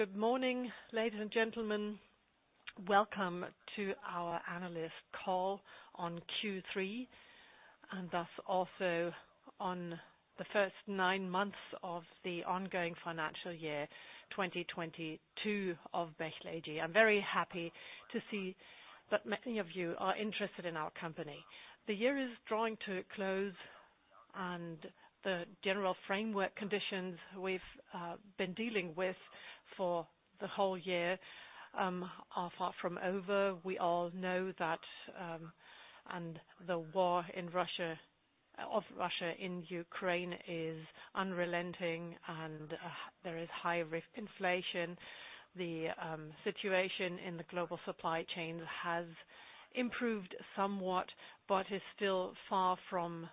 Good morning, ladies and gentlemen. Welcome to our analyst call on Q3, and thus also on the first nine months of the ongoing financial year, 2022 of Bechtle AG. I'm very happy to see that many of you are interested in our company. The year is drawing to a close, and the general framework conditions we've been dealing with for the whole year are far from over. We all know that, and the war of Russia in Ukraine is unrelenting and there is high risk inflation. The situation in the global supply chain has improved somewhat, but is still far from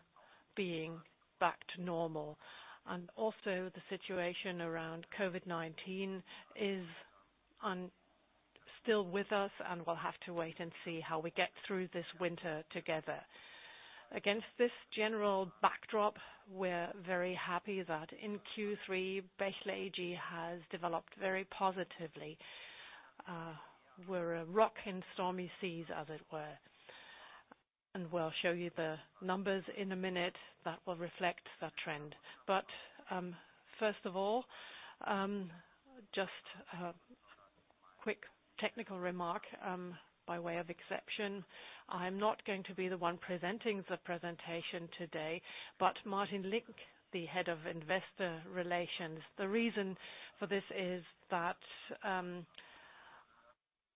being back to normal. Also the situation around COVID-19 is still with us, and we'll have to wait and see how we get through this winter together. Against this general backdrop, we're very happy that in Q3, Bechtle AG has developed very positively. We're a rock in stormy seas, as it were, and we'll show you the numbers in a minute that will reflect that trend. First of all, just a quick technical remark, by way of exception. I'm not going to be the one presenting the presentation today, but Martin Link, the Head of Investor Relations. The reason for this is that,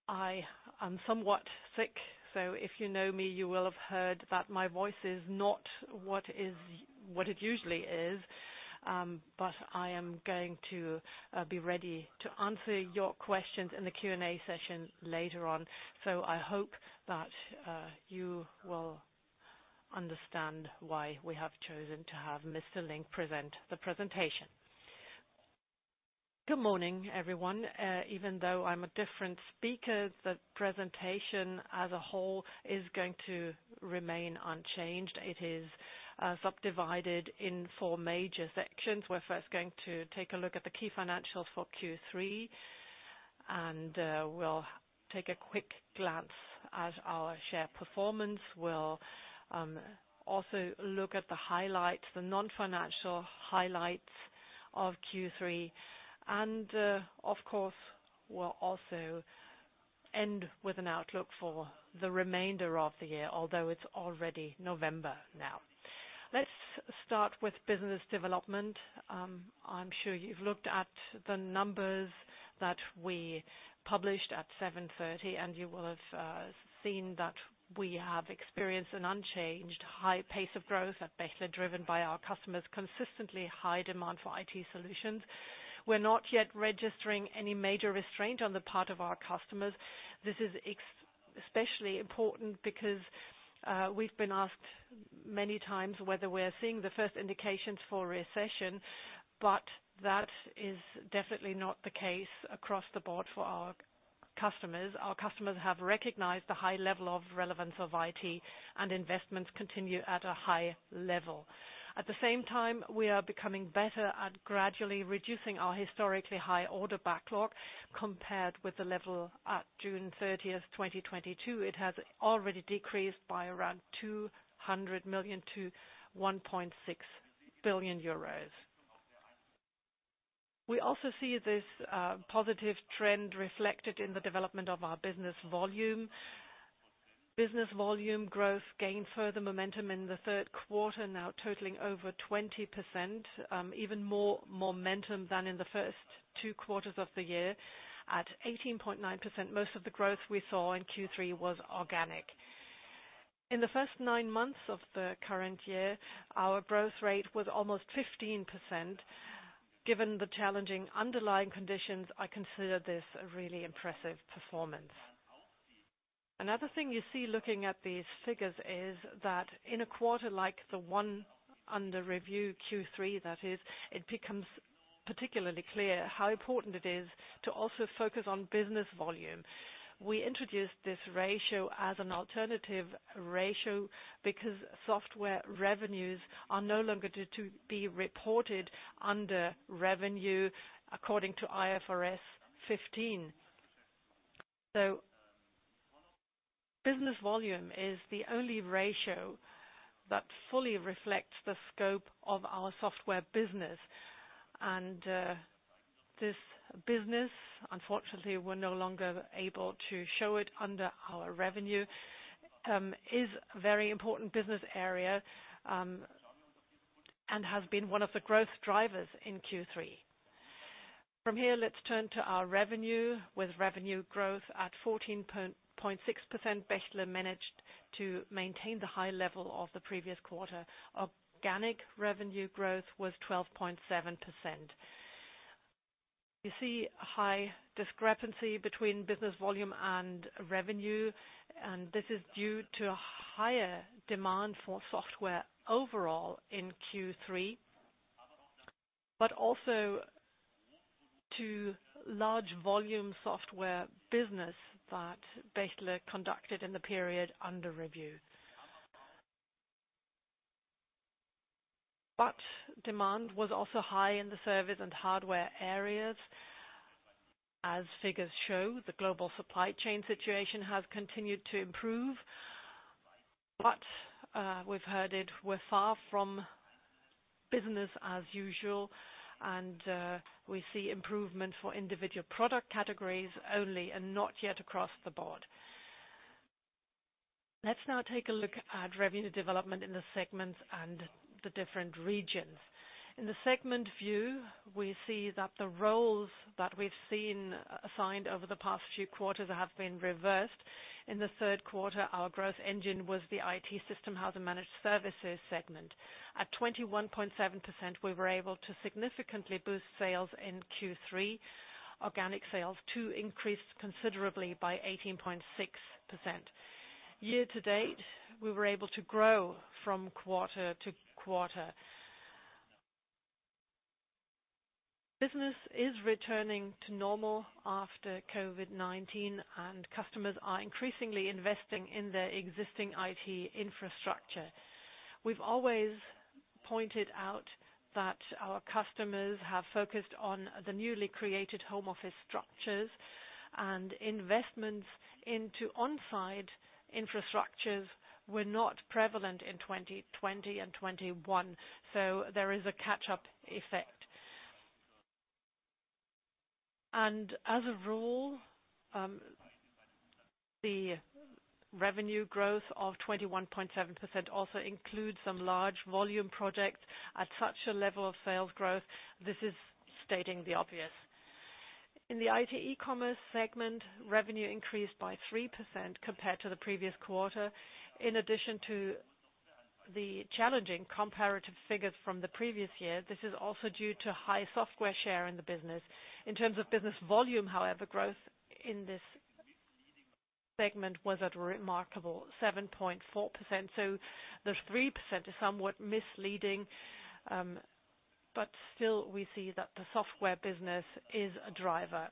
I am somewhat sick, so if you know me, you will have heard that my voice is not what it usually is. I am going to be ready to answer your questions in the Q&A session later on. I hope that, you will understand why we have chosen to have Mr. Link present the presentation. Good morning, everyone. Even though I'm a different speaker, the presentation as a whole is going to remain unchanged. It is subdivided in four major sections. We're first going to take a look at the key financials for Q3, and we'll take a quick glance at our share performance. We'll also look at the highlights, the non-financial highlights of Q3. Of course, we'll also end with an outlook for the remainder of the year, although it's already November now. Let's start with business development. I'm sure you've looked at the numbers that we published at 7:30 A.M., and you will have seen that we have experienced an unchanged high pace of growth at Bechtle, driven by our customers consistently high demand for IT solutions. We're not yet registering any major restraint on the part of our customers. This is especially important because we've been asked many times whether we're seeing the first indications for recession, but that is definitely not the case across the board for our customers. Our customers have recognized the high level of relevance of IT, and investments continue at a high level. At the same time, we are becoming better at gradually reducing our historically high order backlog compared with the level at June 30th, 2022. It has already decreased by around 200 million-1.6 billion euros. We also see this positive trend reflected in the development of our business volume. Business volume growth gained further momentum in the third quarter, now totaling over 20%, even more momentum than in the first two quarters of the year. At 18.9%, most of the growth we saw in Q3 was organic. In the first nine months of the current year, our growth rate was almost 15%. Given the challenging underlying conditions, I consider this a really impressive performance. Another thing you see looking at these figures is that in a quarter like the one under review, Q3 that is, it becomes particularly clear how important it is to also focus on business volume. We introduced this ratio as an alternative ratio because software revenues are no longer to be reported under revenue according to IFRS 15. Business volume is the only ratio that fully reflects the scope of our software business. This business, unfortunately, we're no longer able to show it under our revenue, is a very important business area, and has been one of the growth drivers in Q3. From here, let's turn to our revenue. With revenue growth at 14.6%, Bechtle managed to maintain the high level of the previous quarter. Organic revenue growth was 12.7%. You see high discrepancy between business volume and revenue, and this is due to higher demand for software overall in Q3, but also to large volume software business that Bechtle conducted in the period under review. Demand was also high in the service and hardware areas. As figures show, the global supply chain situation has continued to improve. We've heard it, we're far from business as usual and we see improvement for individual product categories only and not yet across the board. Let's now take a look at revenue development in the segments and the different regions. In the segment view, we see that the roles that we've seen assigned over the past few quarters have been reversed. In the third quarter, our growth engine was the IT System House & Managed Services segment. At 21.7%, we were able to significantly boost sales in Q3, organic sales too increased considerably by 18.6%. Year-to-date, we were able to grow from quarter-to-quarter. Business is returning to normal after COVID-19, and customers are increasingly investing in their existing IT infrastructure. We've always pointed out that our customers have focused on the newly created home office structures and investments into on-site infrastructures were not prevalent in 2020 and 2021. There is a catch-up effect. As a rule, the revenue growth of 21.7% also includes some large volume projects. At such a level of sales growth, this is stating the obvious. In the IT E-Commerce segment, revenue increased by 3% compared to the previous quarter. In addition to the challenging comparative figures from the previous year, this is also due to high software share in the business. In terms of business volume, however, growth in this segment was at remarkable 7.4%. The 3% is somewhat misleading, but still we see that the software business is a driver.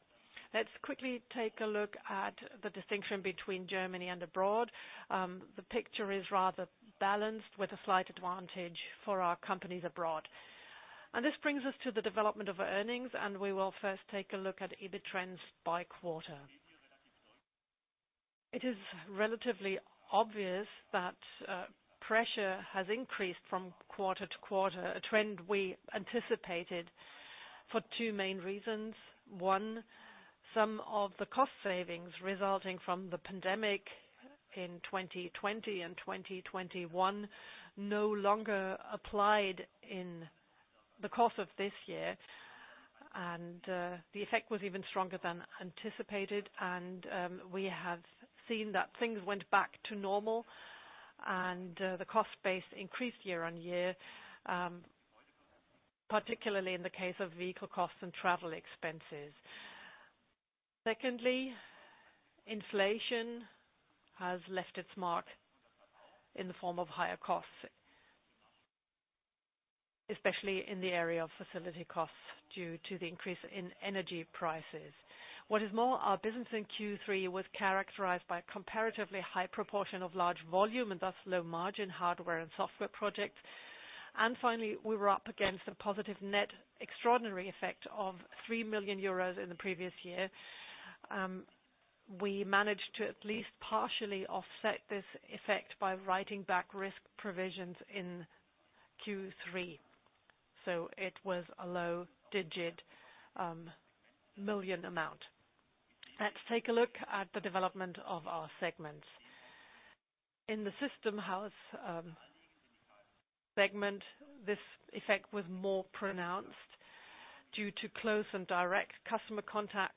Let's quickly take a look at the distinction between Germany and abroad. The picture is rather balanced with a slight advantage for our companies abroad. This brings us to the development of earnings, and we will first take a look at EBIT trends by quarter. It is relatively obvious that, pressure has increased from quarter-to-quarter, a trend we anticipated for two main reasons. One, some of the cost savings resulting from the pandemic in 2020 and 2021 no longer applied in the course of this year. The effect was even stronger than anticipated. We have seen that things went back to normal and the cost base increased year-on-year, particularly in the case of vehicle costs and travel expenses. Secondly, inflation has left its mark in the form of higher costs, especially in the area of facility costs due to the increase in energy prices. What is more, our business in Q3 was characterized by comparatively high proportion of large volume and thus low margin hardware and software projects. Finally, we were up against a positive net extraordinary effect of 3 million euros in the previous year. We managed to at least partially offset this effect by writing back risk provisions in Q3. It was a low-single-digit million amount. Let's take a look at the development of our segments. In the system house segment, this effect was more pronounced due to close and direct customer contacts.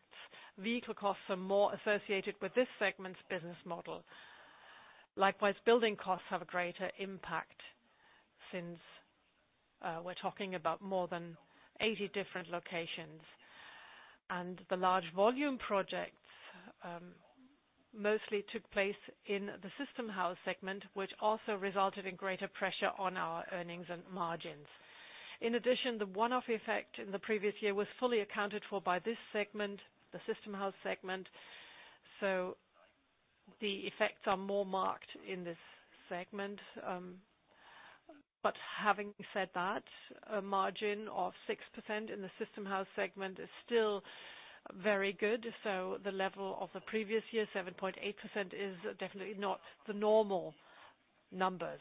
Vehicle costs are more associated with this segment's business model. Likewise, building costs have a greater impact since we're talking about more than 80 different locations. The large volume projects mostly took place in the system house segment, which also resulted in greater pressure on our earnings and margins. In addition, the one-off effect in the previous year was fully accounted for by this segment, the system house segment. The effects are more marked in this segment. Having said that, a margin of 6% in the system house segment is still very good. The level of the previous year, 7.8%, is definitely not the normal numbers.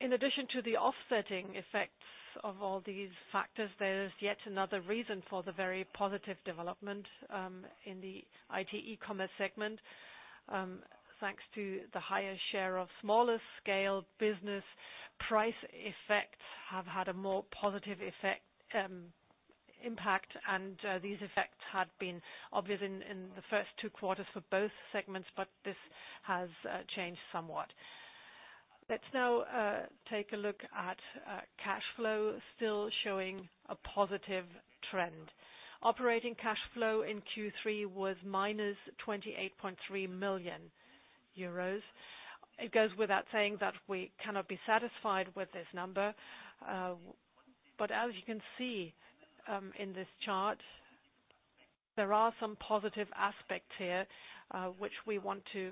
In addition to the offsetting effects of all these factors, there's yet another reason for the very positive development in the IT E-Commerce segment. Thanks to the higher share of smaller scale business, price effects have had a more positive effect, impact, and these effects had been obvious in the first two quarters for both segments, but this has changed somewhat. Let's now take a look at cash flow still showing a positive trend. Operating cash flow in Q3 was -28.3 million euros. It goes without saying that we cannot be satisfied with this number. As you can see, in this chart. There are some positive aspects here, which we want to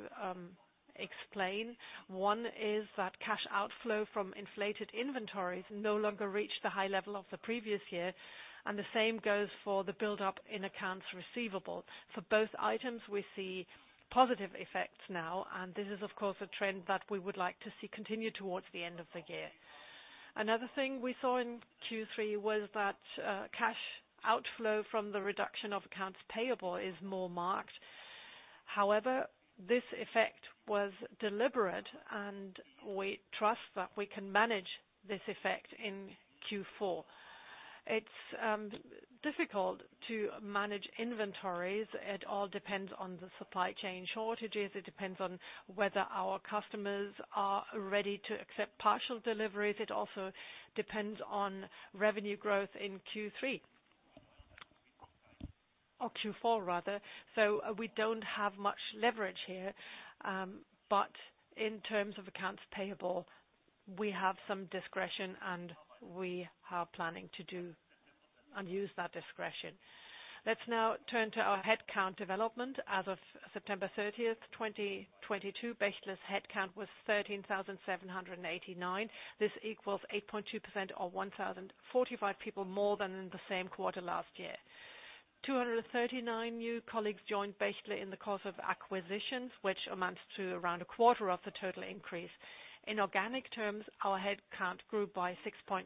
explain. One is that cash outflow from inflated inventories no longer reach the high level of the previous year, and the same goes for the build-up in accounts receivable. For both items, we see positive effects now, and this is, of course, a trend that we would like to see continue towards the end of the year. Another thing we saw in Q3 was that cash outflow from the reduction of accounts payable is more marked. However, this effect was deliberate, and we trust that we can manage this effect in Q4. It's difficult to manage inventories. It all depends on the supply chain shortages. It depends on whether our customers are ready to accept partial deliveries. It also depends on revenue growth in Q3. Or Q4, rather. We don't have much leverage here. In terms of accounts payable, we have some discretion, and we are planning to do and use that discretion. Let's now turn to our headcount development. As of September 30th, 2022, Bechtle's headcount was 13,789. This equals 8.2% or 1,045 people more than in the same quarter last year. 239 new colleagues joined Bechtle in the course of acquisitions, which amounts to around a quarter of the total increase. In organic terms, our headcount grew by 6.3%.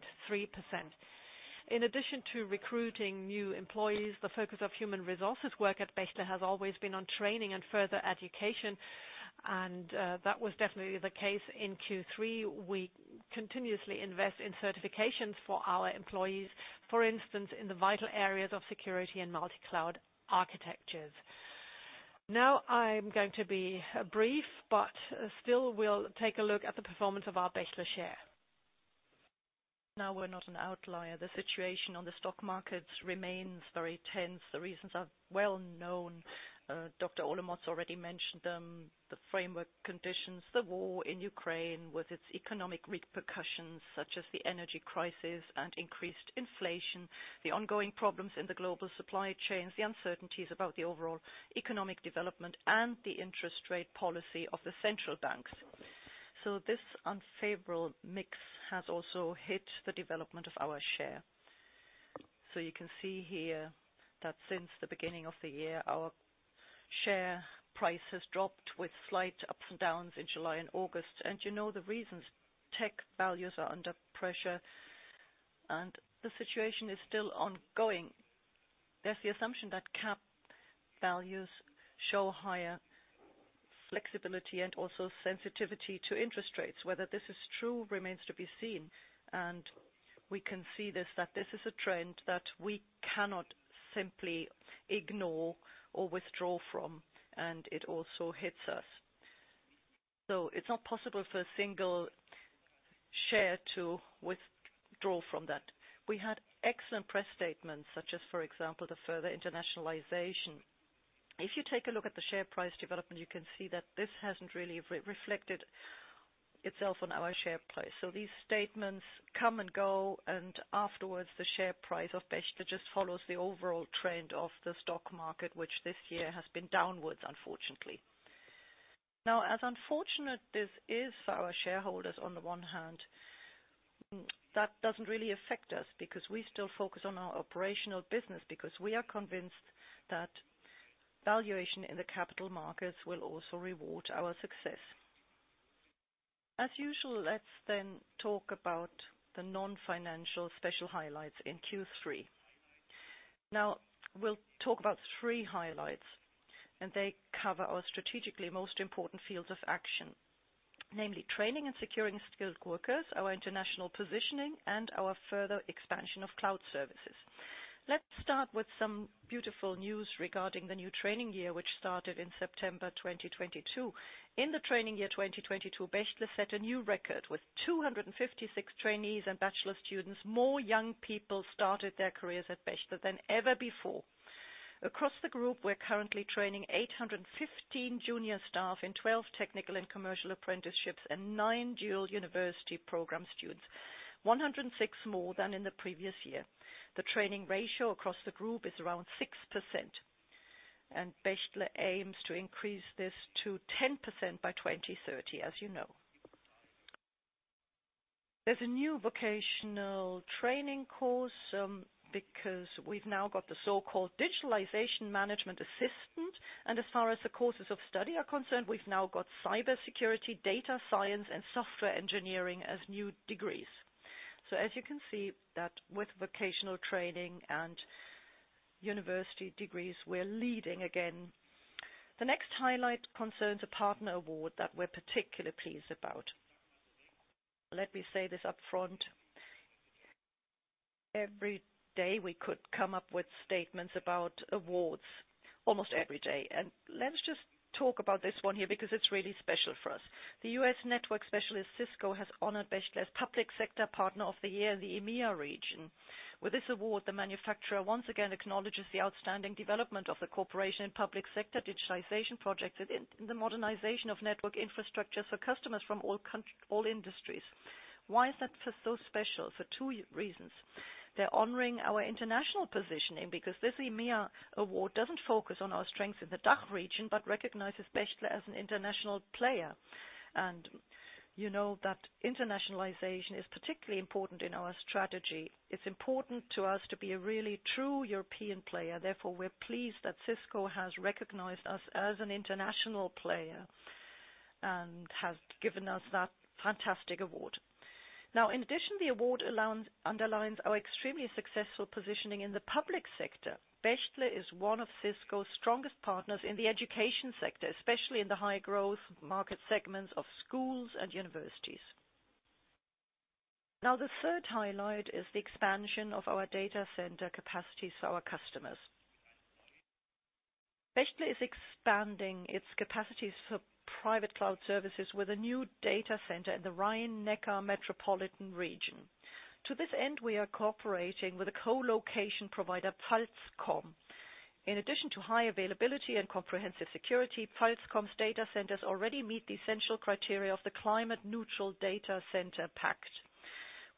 In addition to recruiting new employees, the focus of human resources work at Bechtle has always been on training and further education. That was definitely the case in Q3. We continuously invest in certifications for our employees, for instance, in the vital areas of security and multi-cloud architectures. Now I'm going to be brief, but still we'll take a look at the performance of our Bechtle share. Now we're not an outlier. The situation on the stock markets remains very tense. The reasons are well known. Dr. Olemotz already mentioned them, the framework conditions, the war in Ukraine with its economic repercussions, such as the energy crisis and increased inflation, the ongoing problems in the global supply chains, the uncertainties about the overall economic development and the interest rate policy of the central banks. This unfavorable mix has also hit the development of our share. You can see here that since the beginning of the year, our share price has dropped with slight ups and downs in July and August. You know the reasons. Tech values are under pressure and the situation is still ongoing. There's the assumption that cap values show higher flexibility and also sensitivity to interest rates. Whether this is true remains to be seen. We can see this, that this is a trend that we cannot simply ignore or withdraw from, and it also hits us. It's not possible for a single share to withdraw from that. We had excellent press statements such as, for example, the further internationalization. If you take a look at the share price development, you can see that this hasn't really reflected itself on our share price. These statements come and go, and afterwards, the share price of Bechtle just follows the overall trend of the stock market, which this year has been downwards, unfortunately. Now, as unfortunate as this is for our shareholders on the one hand, that doesn't really affect us because we still focus on our operational business because we are convinced that valuation in the capital markets will also reward our success. As usual, let's then talk about the non-financial special highlights in Q3. We'll talk about three highlights, and they cover our strategically most important fields of action, namely training and securing skilled workers, our international positioning, and our further expansion of cloud services. Let's start with some beautiful news regarding the new training year, which started in September 2022. In the training year 2022, Bechtle set a new record. With 256 trainees and bachelor students, more young people started their careers at Bechtle than ever before. Across the group, we're currently training 815 junior staff in 12 technical and commercial apprenticeships and 9 dual university program students, 106 more than in the previous year. The training ratio across the group is around 6%, and Bechtle aims to increase this to 10% by 2030, as you know. There's a new vocational training course, because we've now got the so-called Digitalization Management Assistant. As far as the courses of study are concerned, we've now got cybersecurity, data science, and software engineering as new degrees. As you can see that with vocational training and university degrees, we're leading again. The next highlight concerns a partner award that we're particularly pleased about. Let me say this upfront. Every day, we could come up with statements about awards, almost every day. Let's just talk about this one here because it's really special for us. The U.S. network specialist Cisco has honored Bechtle as Public Sector Partner of the Year in the EMEA region. With this award, the manufacturer once again acknowledges the outstanding development of the corporation in public sector digitization projects and in the modernization of network infrastructure for customers from all industries. Why is that so special? For two reasons. They're honoring our international positioning because this EMEA award doesn't focus on our strength in the DACH region, but recognizes Bechtle as an international player. You know that internationalization is particularly important in our strategy. It's important to us to be a really true European player. Therefore, we're pleased that Cisco has recognized us as an international player and has given us that fantastic award. Now, in addition, the award underlines our extremely successful positioning in the public sector. Bechtle is one of Cisco's strongest partners in the education sector, especially in the high growth market segments of schools and universities. Now, the third highlight is the expansion of our data center capacities to our customers. Bechtle is expanding its capacities for private cloud services with a new data center in the Rhine-Neckar metropolitan region. To this end, we are cooperating with a colocation provider, PFALZKOM. In addition to high availability and comprehensive security, PFALZKOM's data centers already meet the essential criteria of the Climate Neutral Data Center Pact.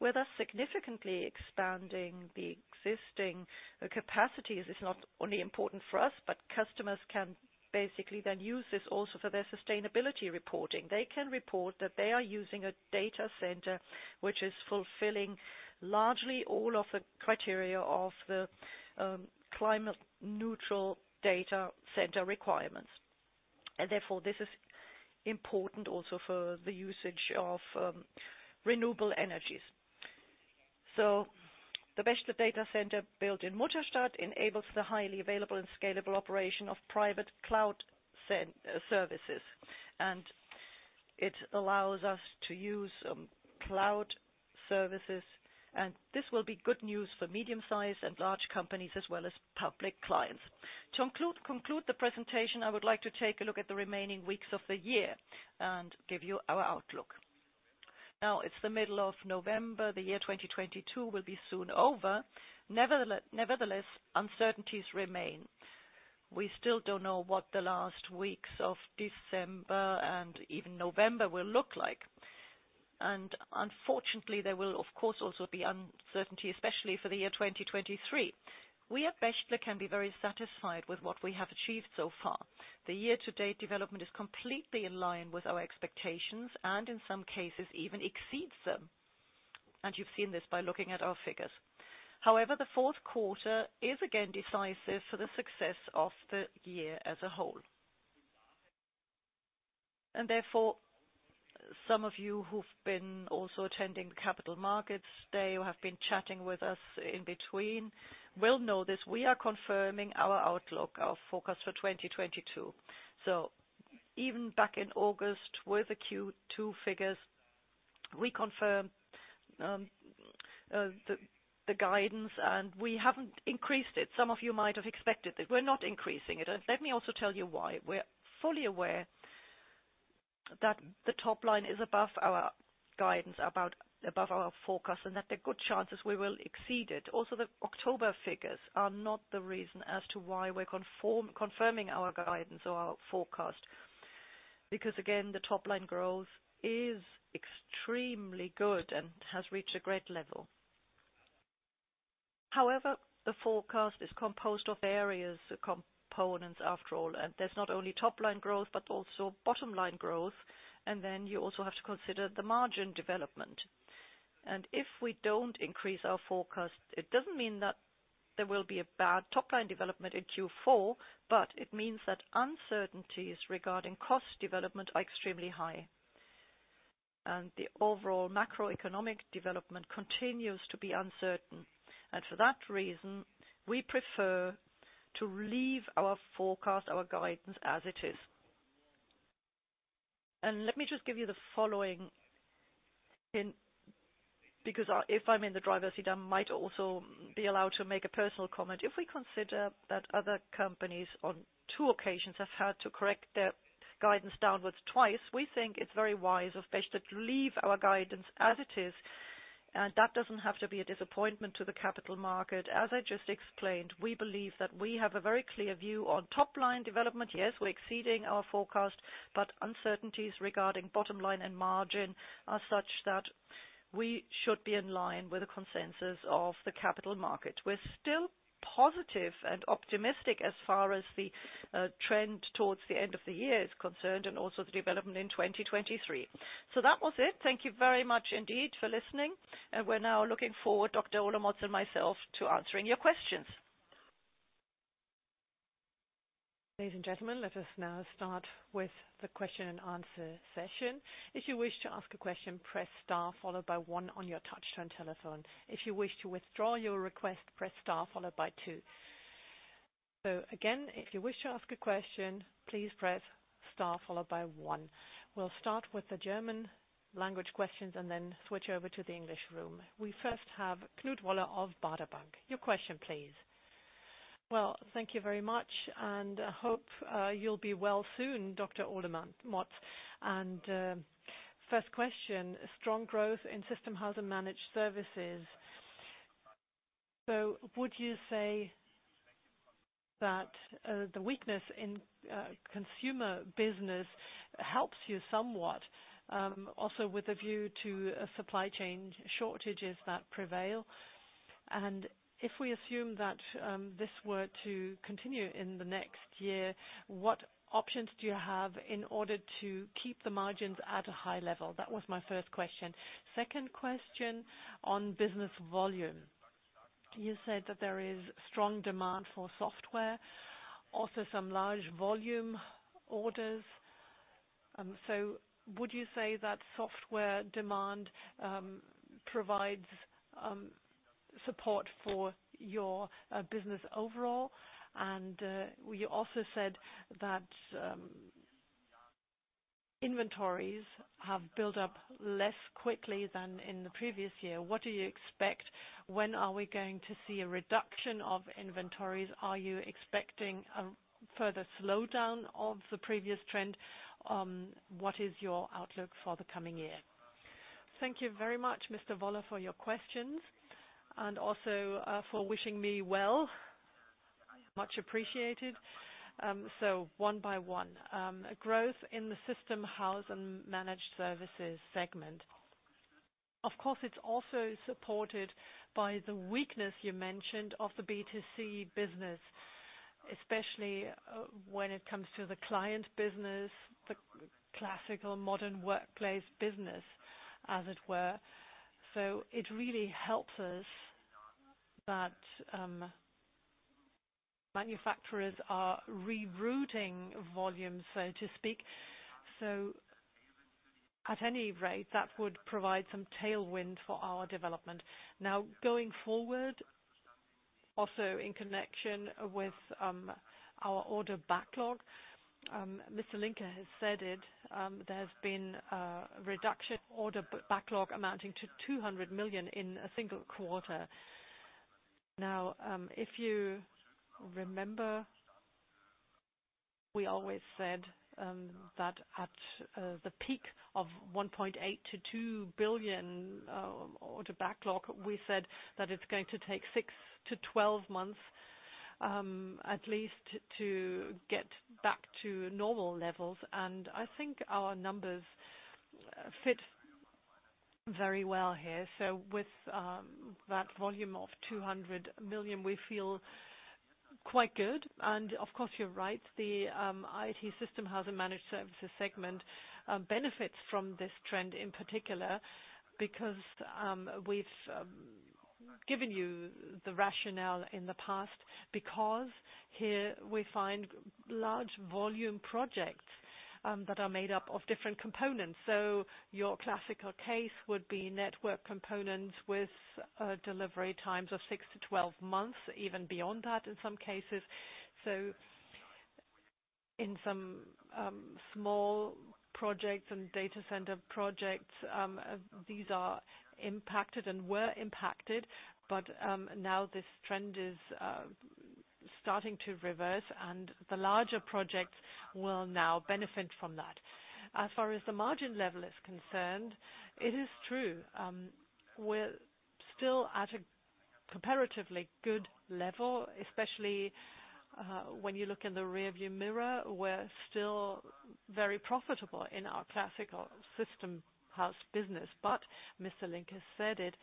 With us significantly expanding the existing capacities is not only important for us, but customers can basically then use this also for their sustainability reporting. They can report that they are using a data center which is fulfilling largely all of the criteria of the climate neutral data center requirements. Therefore this is important also for the usage of renewable energies. The Bechtle data center built in Mutterstadt enables the highly available and scalable operation of private cloud services, and it allows us to use cloud services. This will be good news for medium-sized and large companies as well as public clients. To conclude the presentation, I would like to take a look at the remaining weeks of the year and give you our outlook. Now it's the middle of November. The year 2022 will be soon over. Nevertheless, uncertainties remain. We still don't know what the last weeks of December and even November will look like. Unfortunately, there will of course, also be uncertainty, especially for the year 2023. We at Bechtle can be very satisfied with what we have achieved so far. The year to date development is completely in line with our expectations and in some cases even exceeds them. You've seen this by looking at our figures. However, the fourth quarter is again decisive for the success of the year as a whole. Therefore some of you who've been also attending Capital Markets Day, who have been chatting with us in between will know this. We are confirming our outlook, our forecast for 2022. Even back in August with the Q2 figures, we confirm the guidance and we haven't increased it. Some of you might have expected it. We're not increasing it. Let me also tell you why. We're fully aware that the top line is above our guidance, a bit above our forecast and that there are good chances we will exceed it. Also, the October figures are not the reason as to why we're confirming our guidance or our forecast. Because again, the top line growth is extremely good and has reached a great level. However, the forecast is composed of various components after all, and there's not only top line growth, but also bottom line growth. Then you also have to consider the margin development. If we don't increase our forecast, it doesn't mean that there will be a bad top line development in Q4. It means that uncertainties regarding cost development are extremely high and the overall macroeconomic development continues to be uncertain. For that reason we prefer to leave our forecast, our guidance as it is. Let me just give you the following hint, because if I'm in the driver's seat, I might also be allowed to make a personal comment. If we consider that other companies on two occasions have had to correct their guidance downwards twice, we think it's very wise of Bechtle to leave our guidance as it is. That doesn't have to be a disappointment to the capital market. As I just explained, we believe that we have a very clear view on top line development. Yes, we're exceeding our forecast, but uncertainties regarding bottom line and margin are such that we should be in line with the consensus of the capital market. We're still positive and optimistic as far as the trend towards the end of the year is concerned and also the development in 2023. That was it. Thank you very much indeed for listening and we're now looking forward, Dr. Olemotz and myself, to answering your questions. Ladies and gentlemen, let us now start with the question and answer session. If you wish to ask a question, press star followed by one on your touchtone telephone. If you wish to withdraw your request, press star followed by two. Again, if you wish to ask a question, please press star followed by one. We'll start with the German language questions and then switch over to the English room. We first have Knut Woller of Baader Bank. Your question please. Well, thank you very much and I hope you'll be well soon, Dr. Olemotz. First question, strong growth in System House and Managed Services. Would you say that the weakness in consumer business helps you somewhat, also with a view to supply chain shortages that prevail? If we assume that this were to continue in the next year, what options do you have in order to keep the margins at a high level? That was my first question. Second question on business volume. You said that there is strong demand for software, also some large volume orders. Would you say that software demand provides support for your business overall? You also said that inventories have built up less quickly than in the previous year. What do you expect? When are we going to see a reduction of inventories? Are you expecting a further slowdown of the previous trend? What is your outlook for the coming year? Thank you very much, Mr. Woller, for your questions and also for wishing me well. Much appreciated. One-by-one. Growth in the system house and managed services segment. Of course, it's also supported by the weakness you mentioned of the B2C business, especially when it comes to the client business, the classical modern workplace business, as it were. It really helps us that manufacturers are rerouting volume, so to speak. At any rate, that would provide some tailwind for our development. Now, going forward, also in connection with our order backlog, Martin Link has said it. There's been a reduction in order backlog amounting to 200 million in a single quarter. Now, if you remember, we always said that at the peak of 1.8 billion-2 billion order backlog, we said that it's going to take 6-12 months at least to get back to normal levels. I think our numbers fit very well here. With that volume of 200 million, we feel quite good. Of course, you're right. The IT System House & Managed Services segment benefits from this trend in particular because we've given you the rationale in the past because here we find large volume projects that are made up of different components. Your classical case would be network components with delivery times of 6-12 months, even beyond that in some cases. In some small projects and data center projects, these are impacted and were impacted. Now this trend is starting to reverse, and the larger projects will now benefit from that. As far as the margin level is concerned, it is true, we're still at a comparatively good level, especially when you look in the rearview mirror. We're still very profitable in our classical system house business. Martin Link has said it,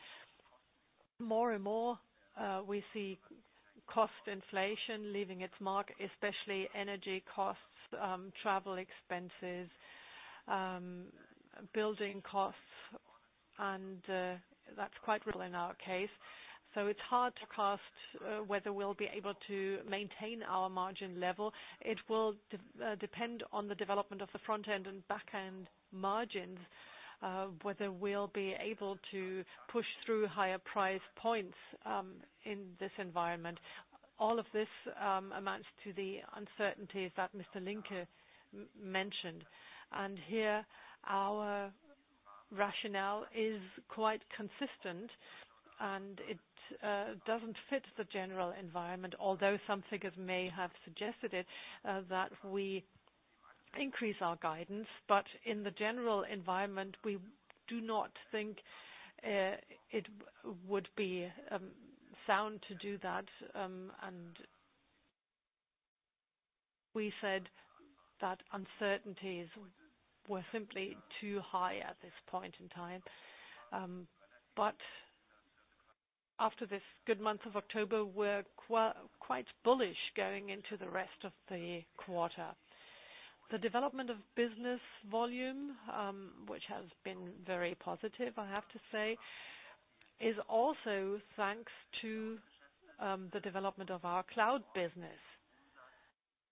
more and more we see cost inflation leaving its mark, especially energy costs, travel expenses, building costs, and that's quite real in our case. It's hard to say whether we'll be able to maintain our margin level. It will depend on the development of the front-end and back-end margins, whether we'll be able to push through higher price points in this environment. All of this amounts to the uncertainties that Martin Link mentioned. Here, our rationale is quite consistent, and it doesn't fit the general environment. Although some figures may have suggested it that we increase our guidance, but in the general environment, we do not think it would be sound to do that. We said that uncertainties were simply too high at this point in time. After this good month of October, we're quite bullish going into the rest of the quarter. The development of business volume, which has been very positive, I have to say, is also thanks to the development of our cloud business.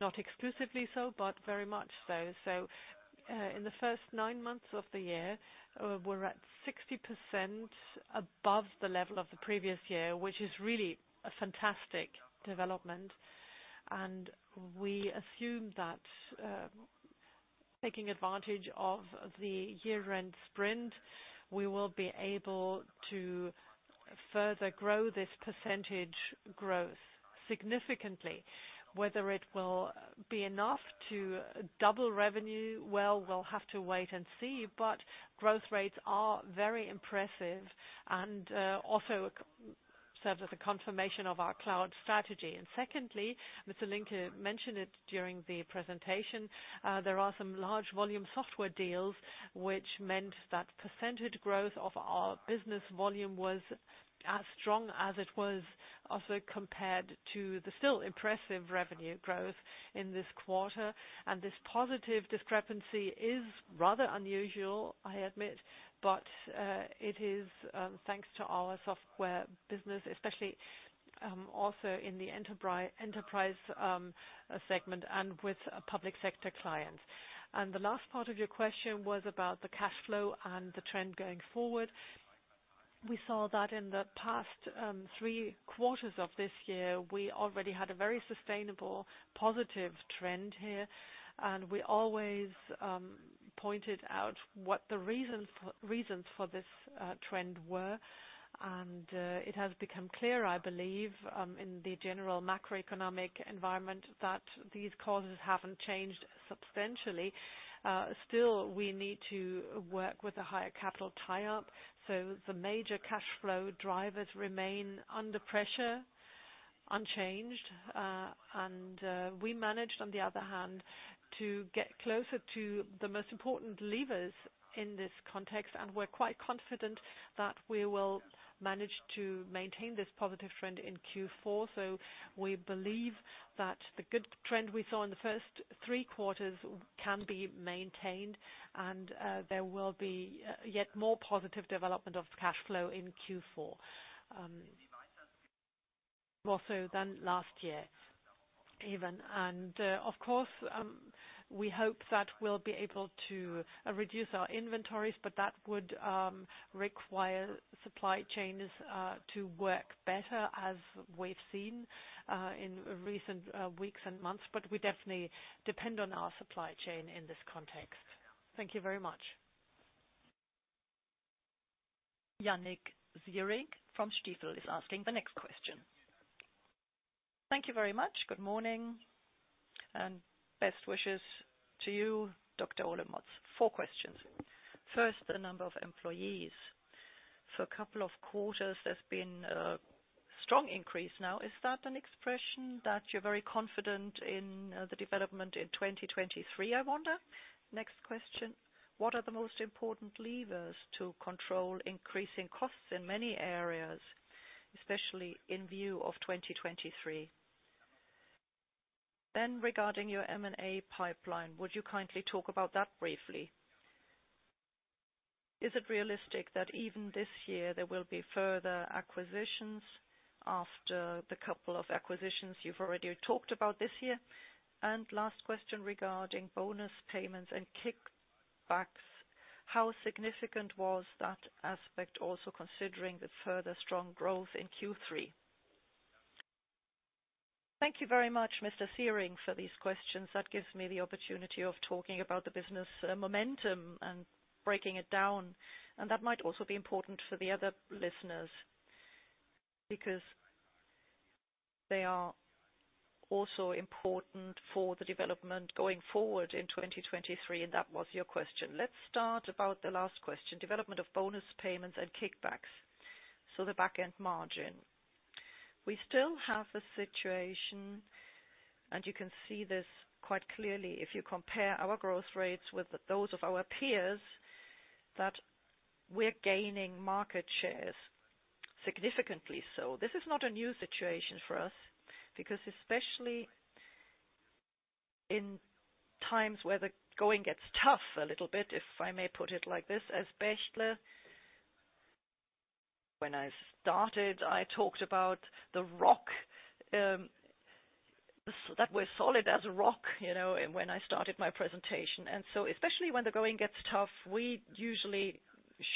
Not exclusively so, but very much so. In the first nine months of the year, we're at 60% above the level of the previous year, which is really a fantastic development. We assume that, taking advantage of the year-end sprint, we will be able to further grow this percentage. Growth significantly. Whether it will be enough to double revenue, well, we'll have to wait and see. Growth rates are very impressive and also serves as a confirmation of our cloud strategy. Secondly, Mr. Link mentioned it during the presentation, there are some large volume software deals which meant that percentage growth of our business volume was as strong as it was also compared to the still impressive revenue growth in this quarter. This positive discrepancy is rather unusual, I admit, but it is thanks to our software business, especially also in the enterprise segment and with public sector clients. The last part of your question was about the cash flow and the trend going forward. We saw that in the past three quarters of this year, we already had a very sustainable positive trend here. We always pointed out what the reasons for this trend were. It has become clear, I believe, in the general macroeconomic environment, that these causes haven't changed substantially. Still, we need to work with a higher capital tie-up, so the major cash flow drivers remain under pressure, unchanged. We managed, on the other hand, to get closer to the most important levers in this context, and we're quite confident that we will manage to maintain this positive trend in Q4. We believe that the good trend we saw in the first three quarters can be maintained and there will be yet more positive development of cash flow in Q4, more so than last year even. Of course, we hope that we'll be able to reduce our inventories, but that would require supply chains to work better, as we've seen in recent weeks and months. We definitely depend on our supply chain in this context. Thank you very much. Yannick Ziering from Stifel is asking the next question. Thank you very much. Good morning and best wishes to you, Dr. Olemotz. Four questions. First, the number of employees. For a couple of quarters, there's been a strong increase now. Is that an expression that you're very confident in the development in 2023, I wonder? Next question. What are the most important levers to control increasing costs in many areas, especially in view of 2023? Regarding your M&A pipeline, would you kindly talk about that briefly? Is it realistic that even this year there will be further acquisitions after the couple of acquisitions you've already talked about this year? Last question regarding bonus payments and kickbacks, how significant was that aspect also considering the further strong growth in Q3? Thank you very much, Mr. Ziering, for these questions. That gives me the opportunity of talking about the business momentum and breaking it down. That might also be important for the other listeners because they are also important for the development going forward in 2023, and that was your question. Let's start about the last question, development of bonus payments and kickbacks, so the back end margin. We still have a situation, and you can see this quite clearly if you compare our growth rates with those of our peers, that we're gaining market shares significantly. This is not a new situation for us, because especially in times where the going gets tough a little bit, if I may put it like this, as Bechtle, when I started, I talked about the rock that we're solid as a rock, you know, when I started my presentation. Especially when the going gets tough, we usually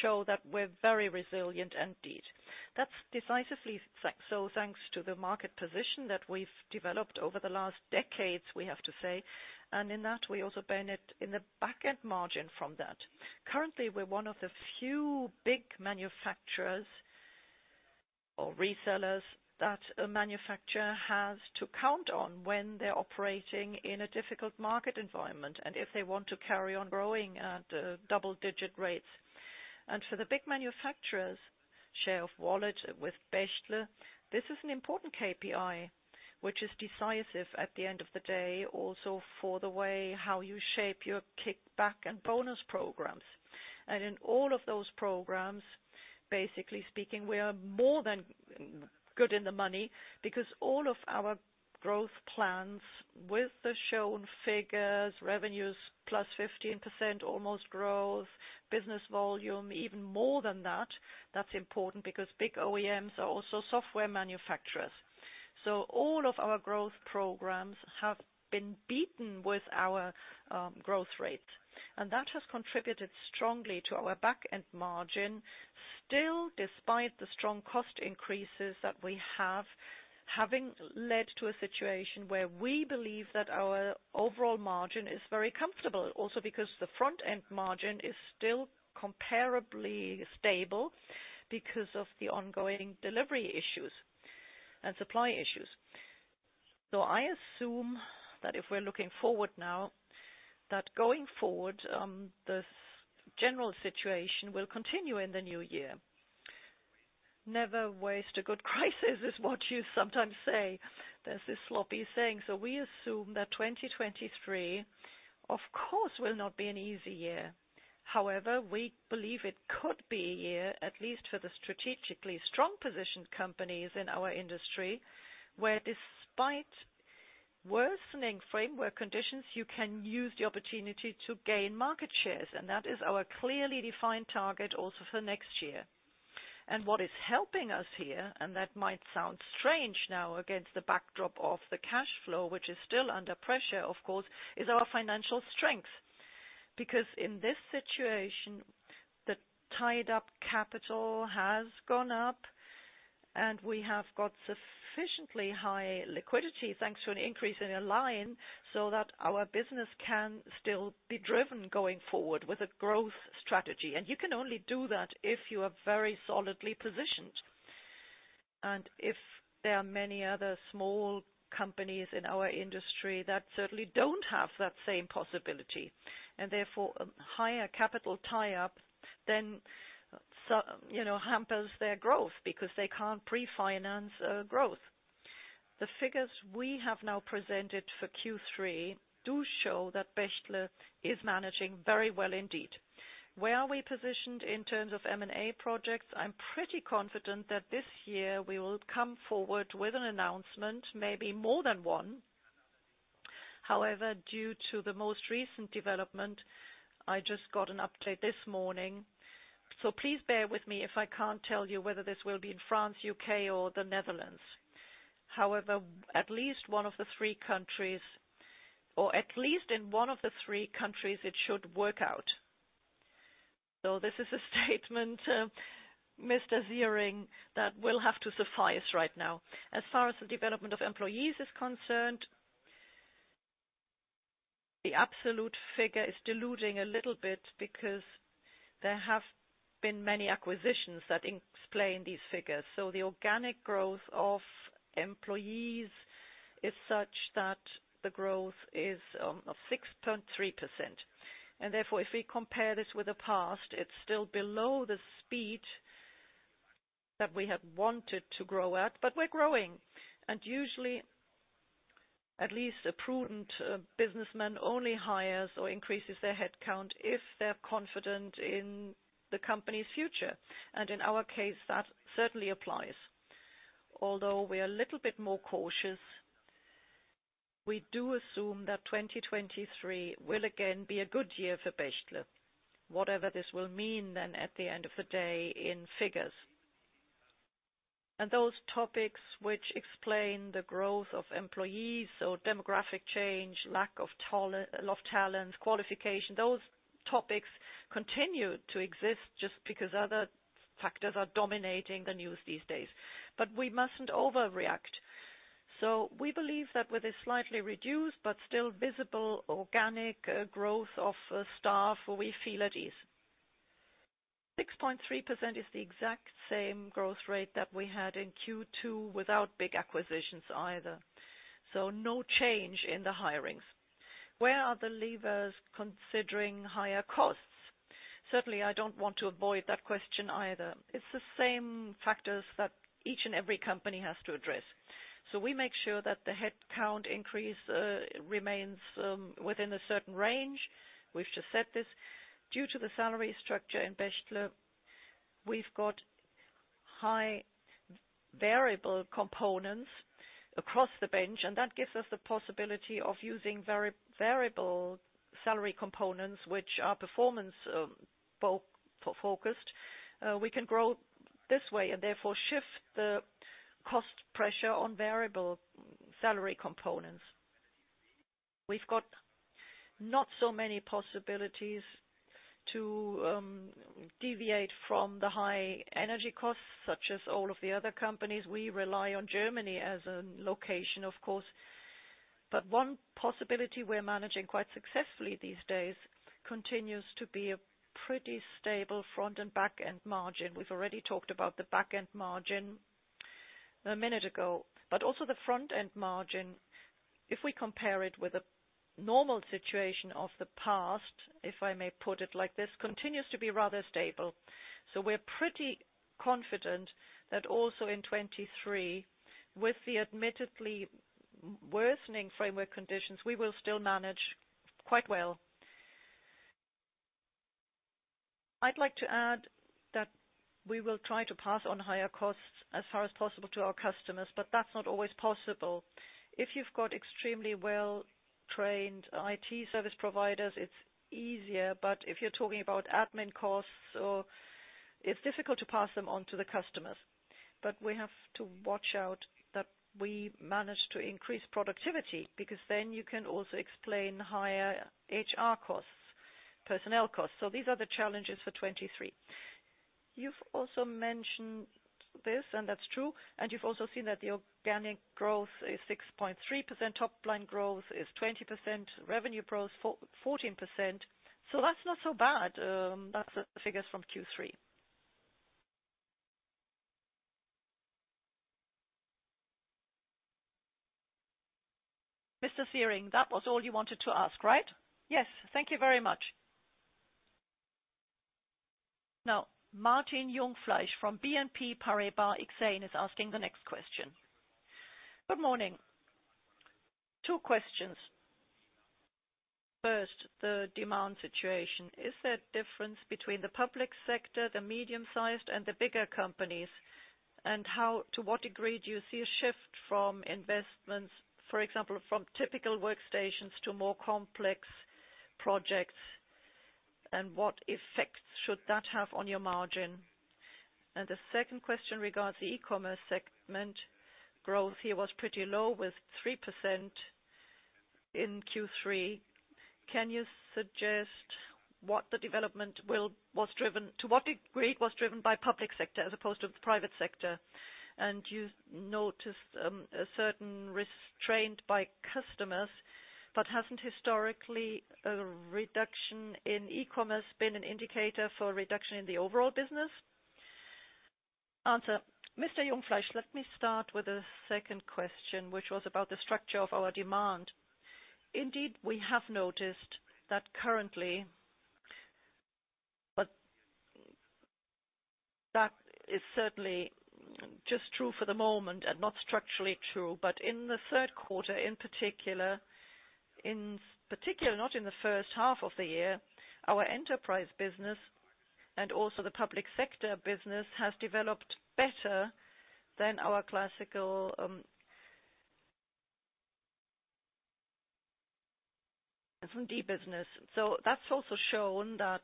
show that we're very resilient indeed. That's decisively so thanks to the market position that we've developed over the last decades, we have to say. In that, we also benefit in the back end margin from that. Currently, we're one of the few big manufacturers or resellers that a manufacturer has to count on when they're operating in a difficult market environment and if they want to carry on growing at double-digit rates. For the big manufacturers' share of wallet with Bechtle, this is an important KPI which is decisive at the end of the day also for the way how you shape your kickback and bonus programs. In all of those programs, basically speaking, we are more than good in the money because all of our growth plans with the shown figures, revenues +15% almost growth, business volume even more than that. That's important because big OEMs are also software manufacturers. All of our growth programs have been beaten with our growth rates, and that has contributed strongly to our back end margin. Still, despite the strong cost increases that we have, having led to a situation where we believe that our overall margin is very comfortable also because the front end margin is still comparably stable because of the ongoing delivery issues and supply issues. I assume that if we're looking forward now, that going forward, the general situation will continue in the new year. Never waste a good crisis is what you sometimes say. There's this sloppy saying. We assume that 2023, of course, will not be an easy year. However, we believe it could be a year, at least for the strategically strong positioned companies in our industry, where despite worsening framework conditions, you can use the opportunity to gain market shares, and that is our clearly defined target also for next year. What is helping us here, and that might sound strange now against the backdrop of the cash flow, which is still under pressure, of course, is our financial strength. Because in this situation, the tied-up capital has gone up and we have got sufficiently high liquidity thanks to an increase in a line so that our business can still be driven going forward with a growth strategy. You can only do that if you are very solidly positioned. If there are many other small companies in our industry that certainly don't have that same possibility, and therefore a higher capital tie-up then, so, you know, hampers their growth because they can't prefinance growth. The figures we have now presented for Q3 do show that Bechtle is managing very well indeed. Where are we positioned in terms of M&A projects? I'm pretty confident that this year we will come forward with an announcement, maybe more than one. However, due to the most recent development, I just got an update this morning. Please bear with me if I can't tell you whether this will be in France, U.K., or the Netherlands. However, at least one of the three countries, or at least in one of the three countries, it should work out. This is a statement, Mr. Ziering, that will have to suffice right now. As far as the development of employees is concerned, the absolute figure is diluting a little bit because there have been many acquisitions that explain these figures. The organic growth of employees is such that the growth is of 6.3%. Therefore, if we compare this with the past, it's still below the speed that we had wanted to grow at, but we're growing. Usually, at least a prudent businessman only hires or increases their headcount if they're confident in the company's future. In our case, that certainly applies. Although we are a little bit more cautious, we do assume that 2023 will again be a good year for Bechtle, whatever this will mean then at the end of the day in figures. Those topics which explain the growth of employees, so demographic change, lack of talent, qualification, those topics continue to exist just because other factors are dominating the news these days. We mustn't overreact. We believe that with a slightly reduced but still visible organic growth of staff, we feel at ease. 6.3% is the exact same growth rate that we had in Q2 without big acquisitions either. No change in the hirings. Where are the levers considering higher costs? Certainly, I don't want to avoid that question either. It's the same factors that each and every company has to address. We make sure that the headcount increase remains within a certain range. We've just said this. Due to the salary structure in Bechtle, we've got high variable components across the board, and that gives us the possibility of using variable salary components which are performance-focused. We can grow this way and therefore shift the cost pressure on variable salary components. We've got not so many possibilities to deviate from the high energy costs, such as all of the other companies. We rely on Germany as a location, of course. One possibility we're managing quite successfully these days continues to be a pretty stable front and back-end margin. We've already talked about the back-end margin a minute ago, but also the front-end margin, if we compare it with a normal situation of the past, if I may put it like this, continues to be rather stable. We're pretty confident that also in 2023, with the admittedly worsening framework conditions, we will still manage quite well. I'd like to add that we will try to pass on higher costs as far as possible to our customers, but that's not always possible. If you've got extremely well-trained IT service providers, it's easier. If you're talking about admin costs, it's difficult to pass them on to the customers. We have to watch out that we manage to increase productivity because then you can also explain higher HR costs, personnel costs. These are the challenges for 2023. You've also mentioned this, and that's true. You've also seen that the organic growth is 6.3%, top-line growth is 20%, revenue growth 14%. That's not so bad, that's the figures from Q3. Mr. Ziering, that was all you wanted to ask, right? Yes. Thank you very much. Now, Martin Jungfleisch from BNP Paribas Exane is asking the next question. Good morning. Two questions. First, the demand situation. Is there a difference between the public sector, the medium-sized, and the bigger companies? And how to what degree do you see a shift from investments, for example, from typical workstations to more complex projects? And what effects should that have on your margin? The second question regards the e-commerce segment. Growth here was pretty low with 3% in Q3. Can you suggest to what degree it was driven by public sector as opposed to the private sector? You noticed a certain restraint by customers, but hasn't historically a reduction in e-commerce been an indicator for a reduction in the overall business? Mr. Jungfleisch, let me start with the second question, which was about the structure of our demand. Indeed, we have noticed that currently, but that is certainly just true for the moment and not structurally true. In the third quarter, in particular, not in the first half of the year, our enterprise business and also the public sector business has developed better than our classical SMB business. That's also shown that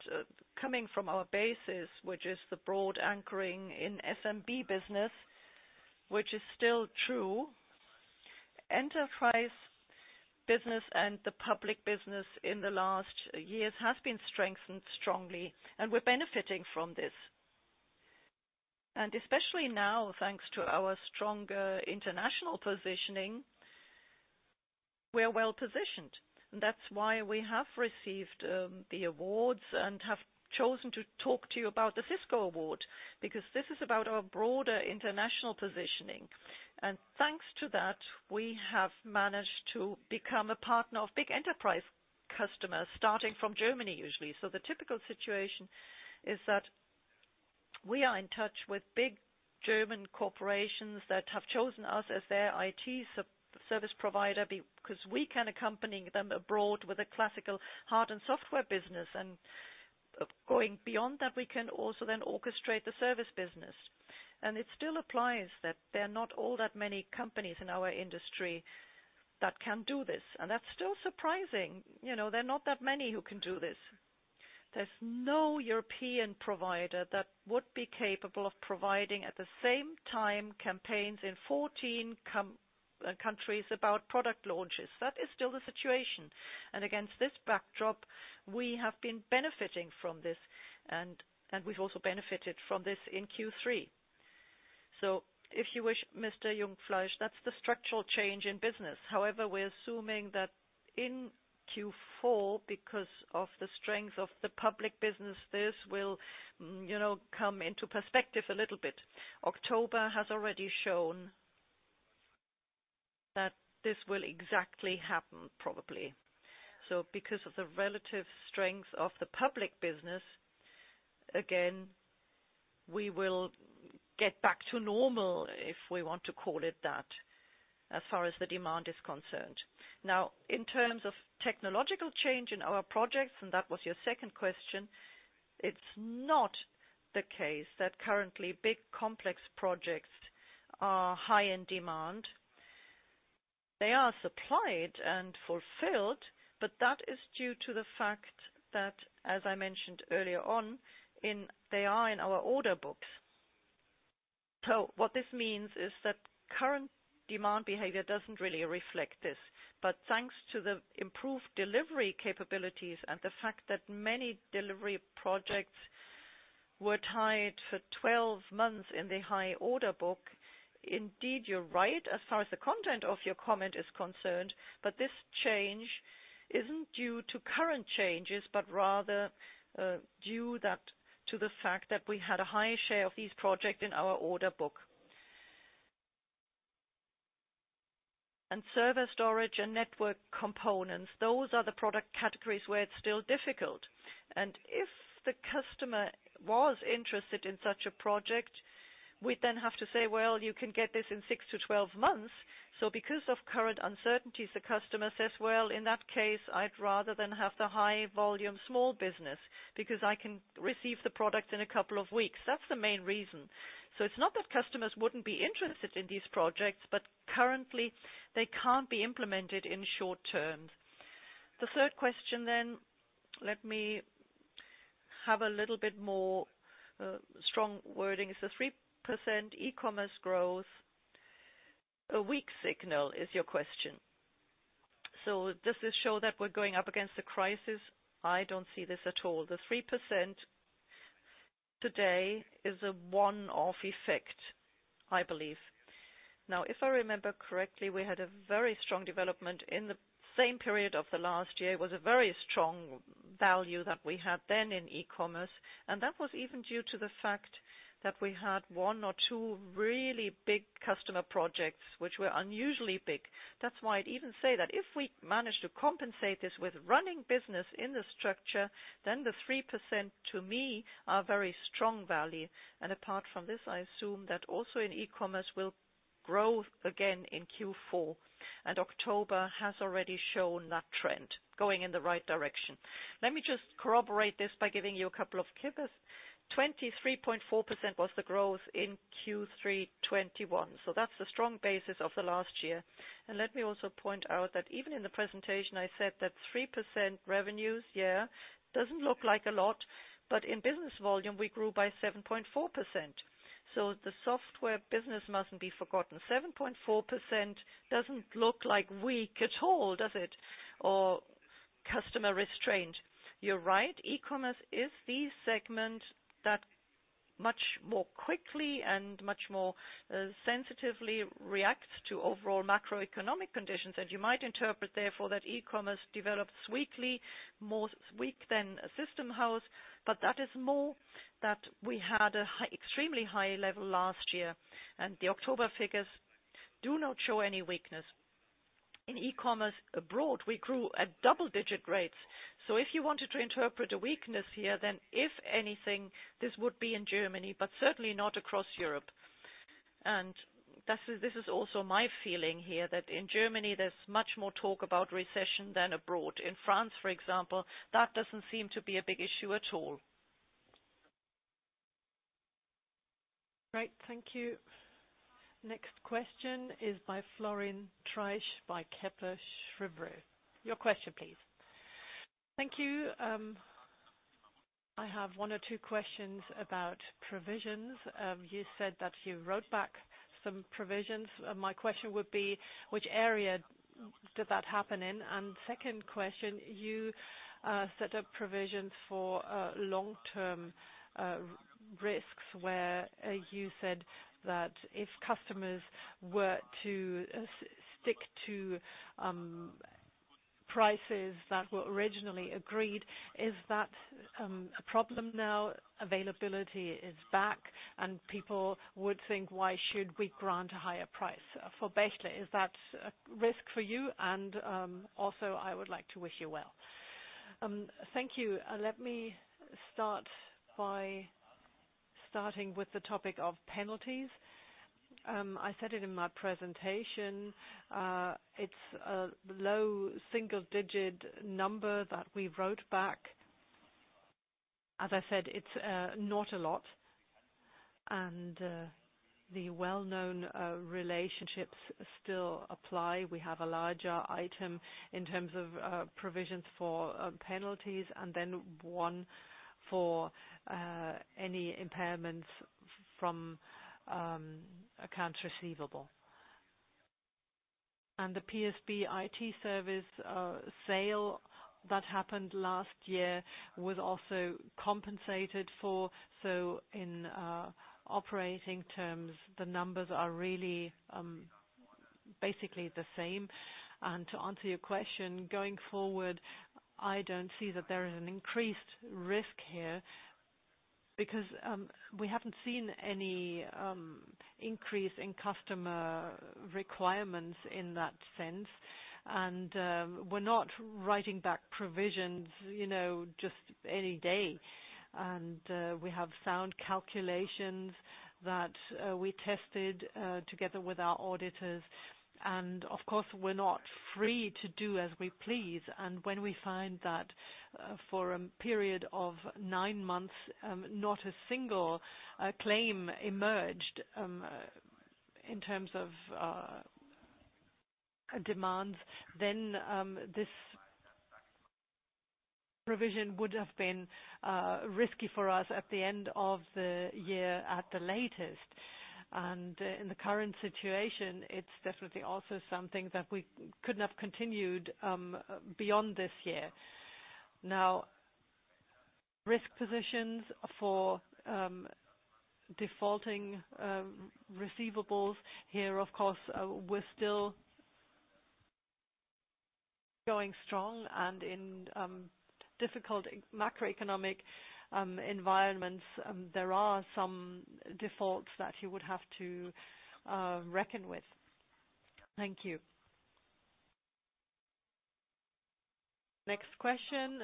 coming from our basis, which is the broad anchoring in SMB business, which is still true, enterprise business and the public business in the last years has been strengthened strongly, and we're benefiting from this. Especially now, thanks to our stronger international positioning, we are well-positioned. That's why we have received the awards and have chosen to talk to you about the Cisco Award, because this is about our broader international positioning. Thanks to that, we have managed to become a partner of big enterprise customers, starting from Germany, usually. The typical situation is that we are in touch with big German corporations that have chosen us as their IT service provider because we can accompany them abroad with a classical hard and software business. Going beyond that, we can also then orchestrate the service business. It still applies that there are not all that many companies in our industry that can do this. That's still surprising. You know, there are not that many who can do this. There's no European provider that would be capable of providing, at the same time, campaigns in 14 countries about product launches. That is still the situation. Against this backdrop, we have been benefiting from this, and we've also benefited from this in Q3. If you wish, Mr. Jungfleisch, that's the structural change in business. However, we're assuming that in Q4, because of the strength of the public business, this will, you know, come into perspective a little bit. October has already shown that this will exactly happen, probably. Because of the relative strength of the public business, again, we will get back to normal, if we want to call it that, as far as the demand is concerned. Now, in terms of technological change in our projects, and that was your second question, it's not the case that currently big, complex projects are high in demand. They are supplied and fulfilled, but that is due to the fact that, as I mentioned earlier on, they are in our order books. What this means is that current demand behavior doesn't really reflect this. Thanks to the improved delivery capabilities and the fact that many delivery projects were tied for twelve months in the high order book, indeed, you're right as far as the content of your comment is concerned. This change isn't due to current changes, but rather due to the fact that we had a high share of these projects in our order book. Server storage and network components, those are the product categories where it's still difficult. If the customer was interested in such a project, we'd then have to say, "Well, you can get this in 6-12 months." Because of current uncertainties, the customer says, "Well, in that case, I'd rather have the high volume small business because I can receive the product in a couple of weeks." That's the main reason. It's not that customers wouldn't be interested in these projects, but currently, they can't be implemented in short-term. The third question, let me have a little bit more strong wording. Is the 3% e-commerce growth a weak signal? That's your question. Does this show that we're going up against a crisis? I don't see this at all. The 3% today is a one-off effect. I believe. Now, if I remember correctly, we had a very strong development in the same period of the last year. It was a very strong value that we had then in e-commerce, and that was even due to the fact that we had one or two really big customer projects which were unusually big. That's why I'd even say that if we manage to compensate this with running business in the structure, then the 3% to me are very strong value. Apart from this, I assume that also in e-commerce will grow again in Q4, and October has already shown that trend going in the right direction. Let me just corroborate this by giving you a couple of clippers. 23.4% was the growth in Q3 2021. That's the strong basis of the last year. Let me also point out that even in the presentation, I said that 3% revenues, yeah, doesn't look like a lot, but in business volume, we grew by 7.4%. The software business mustn't be forgotten. 7.4% doesn't look like weak at all, does it? Or customer restraint? You're right. e-commerce is the segment that much more quickly and much more sensitively reacts to overall macroeconomic conditions. You might interpret, therefore, that e-commerce develops weakly, more weak than a System House. That is more that we had an extremely high level last year, and the October figures do not show any weakness. In e-commerce abroad, we grew at double-digit rates. If you wanted to interpret a weakness here, then if anything, this would be in Germany, but certainly not across Europe. This is also my feeling here, that in Germany, there's much more talk about recession than abroad. In France, for example, that doesn't seem to be a big issue at all. Right. Thank you. Next question is by Florian Treisch, by Kepler Cheuvreux. Your question, please. Thank you. I have one or two questions about provisions. You said that you wrote back some provisions. My question would be, which area did that happen in? And second question, you set up provisions for long-term risks, where you said that if customers were to stick to prices that were originally agreed, is that a problem now? Availability is back and people would think, why should we grant a higher price? For Bechtle, is that a risk for you? And also, I would like to wish you well. Thank you. Let me start with the topic of penalties. I said it in my presentation, it's a low-single-digit number that we wrote back. As I said, it's not a lot. The well-known relationships still apply. We have a larger item in terms of provisions for penalties and then one for any impairments from accounts receivable. The PSB IT-Service GmbH sale that happened last year was also compensated for. In operating terms, the numbers are really basically the same. To answer your question, going forward, I don't see that there is an increased risk here because we haven't seen any increase in customer requirements in that sense. We're not writing back provisions, you know, just any day. We have sound calculations that we tested together with our auditors. Of course, we're not free to do as we please. When we find that for a period of nine months not a single claim emerged in terms of demands, then this provision would have been risky for us at the end of the year at the latest. In the current situation, it's definitely also something that we couldn't have continued beyond this year. Now, risk positions for defaulting receivables, here, of course, we're still going strong. In difficult macroeconomic environments, there are some defaults that you would have to reckon with. Thank you. Next question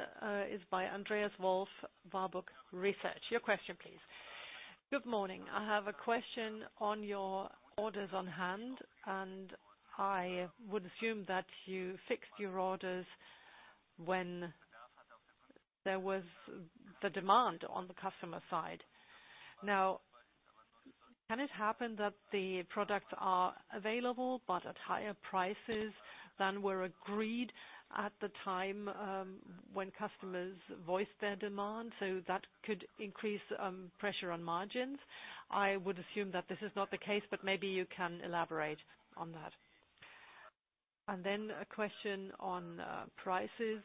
is by Andreas Wolf, Warburg Research. Your question, please. Good morning. I have a question on your orders on hand, and I would assume that you fixed your orders when there was the demand on the customer side. Now, can it happen that the products are available but at higher prices than were agreed at the time, when customers voiced their demand, so that could increase pressure on margins? I would assume that this is not the case, but maybe you can elaborate on that. Then a question on prices.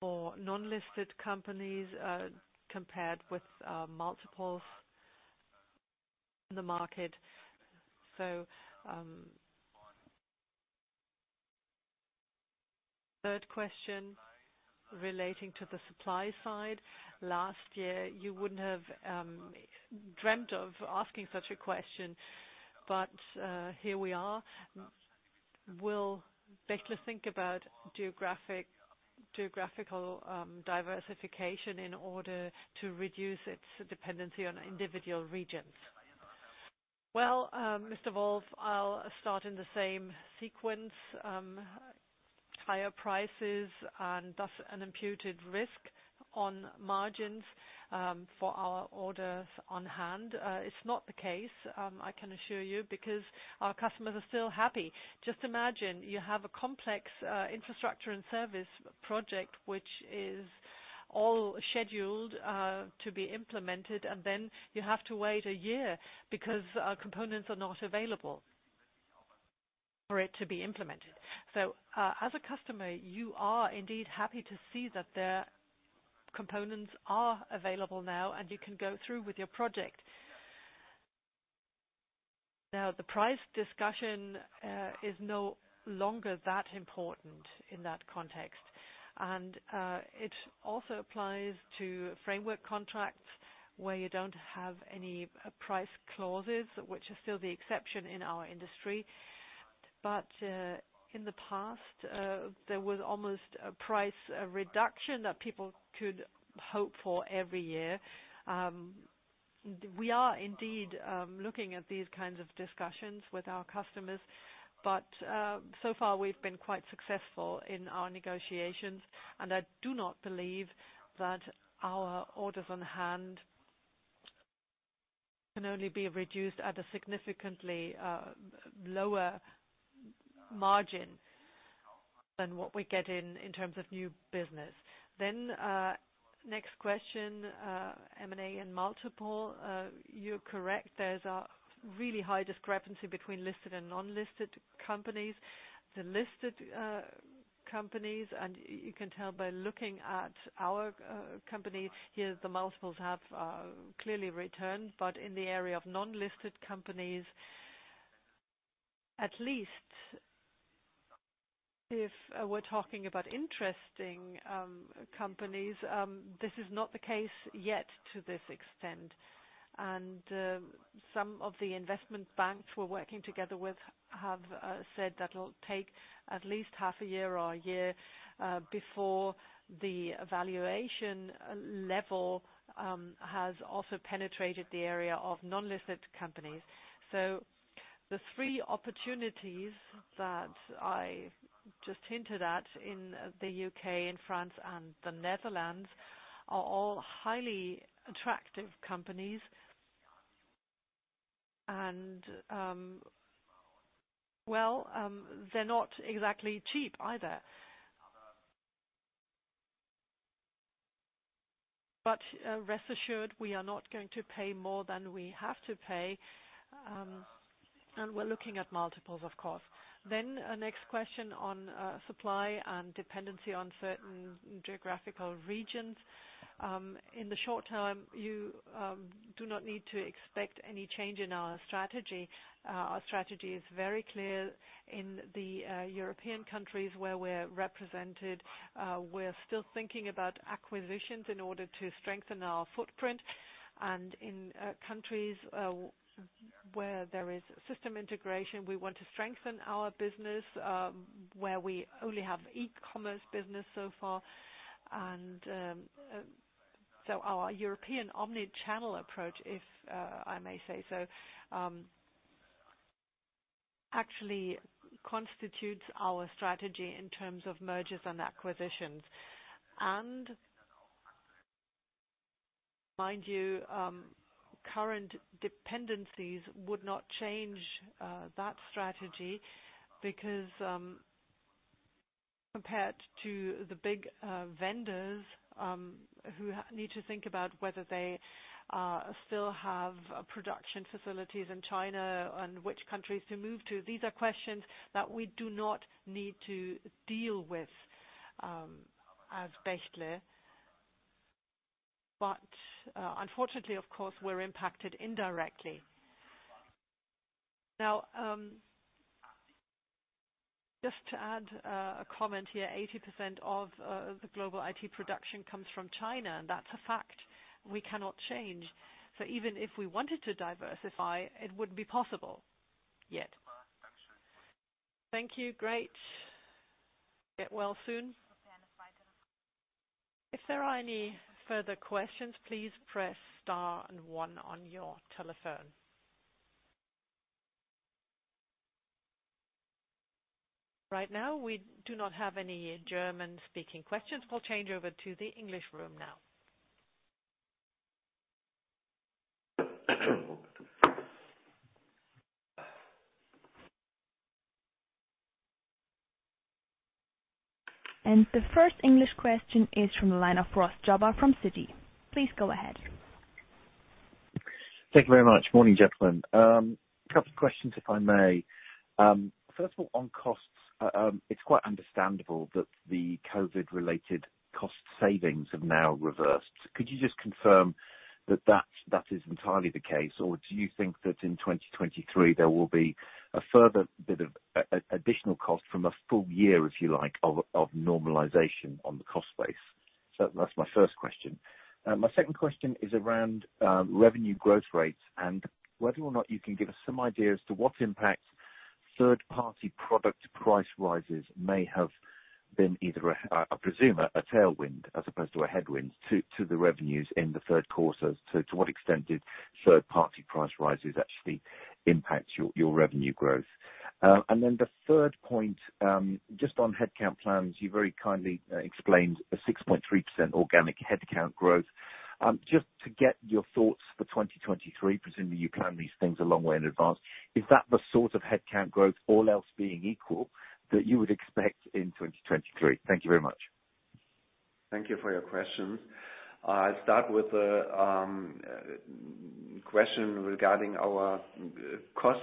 For non-listed companies, compared with multiples in the market. Third question relating to the supply side. Last year, you wouldn't have dreamt of asking such a question, but here we are. Will Bechtle think about geographical diversification in order to reduce its dependency on individual regions? Well, Mr. Wolf, I'll start in the same sequence. Higher prices and thus an imputed risk on margins for our orders on hand. It's not the case, I can assure you, because our customers are still happy. Just imagine, you have a complex infrastructure and service project, which is all scheduled to be implemented, and then you have to wait a year because components are not available for it to be implemented. As a customer, you are indeed happy to see that the components are available now, and you can go through with your project. Now, the price discussion is no longer that important in that context. It also applies to framework contracts, where you don't have any price clauses, which is still the exception in our industry. In the past, there was almost a price reduction that people could hope for every year. We are indeed looking at these kinds of discussions with our customers, but so far we've been quite successful in our negotiations. I do not believe that our orders on hand can only be reduced at a significantly lower margin than what we're getting in terms of new business. Next question, M&A and multiple. You're correct. There's a really high discrepancy between listed and non-listed companies. The listed companies, and you can tell by looking at our company here, the multiples have clearly returned. In the area of non-listed companies, at least if we're talking about interesting companies, this is not the case yet to this extent. Some of the investment banks we're working together with have said that it'll take at least half a year or a year before the valuation level has also penetrated the area of non-listed companies. The three opportunities that I just hinted at in the U.K. and France and the Netherlands are all highly attractive companies. They're not exactly cheap either. Rest assured, we are not going to pay more than we have to pay. We're looking at multiples, of course. Next question on supply and dependency on certain geographical regions. In the short-term, you do not need to expect any change in our strategy. Our strategy is very clear. In the European countries where we're represented, we're still thinking about acquisitions in order to strengthen our footprint. In countries where there is system integration, we want to strengthen our business, where we only have e-commerce business so far. Our European omni-channel approach, if I may say so, actually constitutes our strategy in terms of mergers and acquisitions. Mind you, current dependencies would not change that strategy because, compared to the big vendors, who need to think about whether they still have production facilities in China and which countries to move to. These are questions that we do not need to deal with, as Bechtle. Unfortunately, of course, we're impacted indirectly. Now, just to add a comment here, 80% of the global IT production comes from China, and that's a fact we cannot change. Even if we wanted to diversify, it wouldn't be possible yet. Thank you. Great. Get well soon. If there are any further questions, please press star and one on your telephone. Right now, we do not have any German-speaking questions. We'll change over to the English room now. The first English question is from the line of Ross Jobber from Citi. Please go ahead. Thank you very much. Morning, gentlemen. A couple of questions, if I may. First of all, on costs. It's quite understandable that the COVID-related cost savings have now reversed. Could you just confirm that that is entirely the case, or do you think that in 2023 there will be a further bit of additional cost from a full year, if you like, of normalization on the cost base? That's my first question. My second question is around revenue growth rates and whether or not you can give us some idea as to what impact third-party product price rises may have been either a tailwind as opposed to a headwind to the revenues in the third quarter. To what extent did third-party price rises actually impact your revenue growth? The third point, just on headcount plans. You very kindly explained a 6.3% organic headcount growth. Just to get your thoughts for 2023, presumably you plan these things a long way in advance. Is that the sort of headcount growth, all else being equal, that you would expect in 2023? Thank you very much. Thank you for your question. I'll start with the question regarding our cost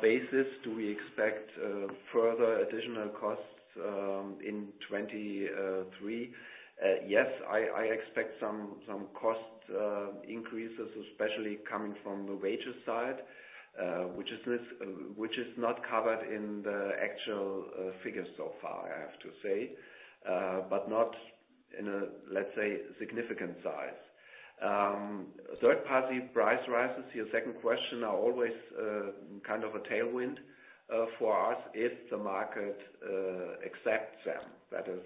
basis. Do we expect further additional costs in 2023? Yes, I expect some cost increases, especially coming from the wages side, which is not covered in the actual figures so far, I have to say. But not in a, let's say, significant size. Third-party price rises, your second question, are always kind of a tailwind for us if the market accepts them. That is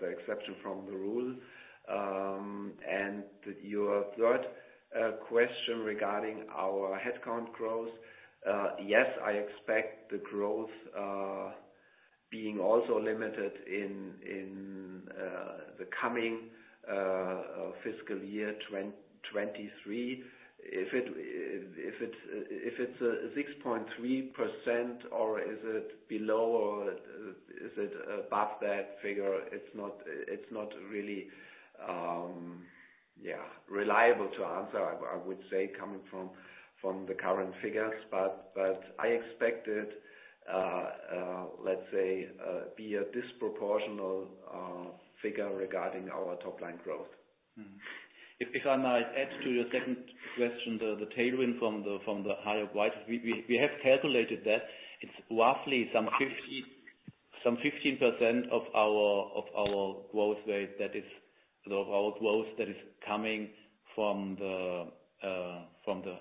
the exception from the rule. Your third question regarding our headcount growth, yes, I expect the growth being also limited in the coming fiscal year 2023. If it's 6.3% or is it below or is it above that figure? It's not really reliable to answer, I would say, coming from the current figures. I expect it, let's say, to be a disproportionate figure regarding our top line growth. If I might add to your second question, the tailwind from the higher prices. We have calculated that it's roughly some 15% of our growth that is coming from the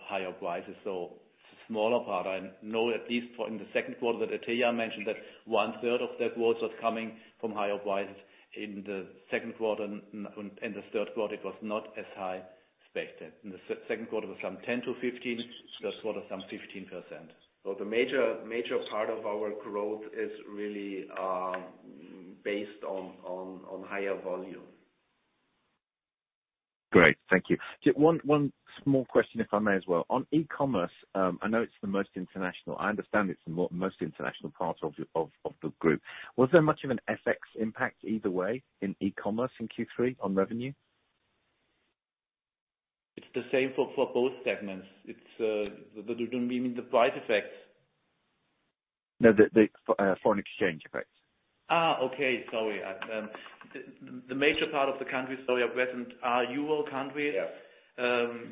higher prices. So it's a smaller part. I know at least for the second quarter that Cancom mentioned that 1/3 of that growth was coming from higher prices in the second quarter, and in the third quarter it was not as high as expected. In the second quarter was from 10%-15%, first quarter some 15%. The major part of our growth is really based on higher volume. Great. Thank you. Just one small question, if I may as well. On e-commerce, I know it's the most international. I understand it's the most international part of the group. Was there much of an FX impact either way in e-commerce in Q3 on revenue? It's the same for both segments. It's, but you don't mean the price effects? No, the foreign exchange effects. Okay. Sorry. The major part of the countries are euro countries. Yes.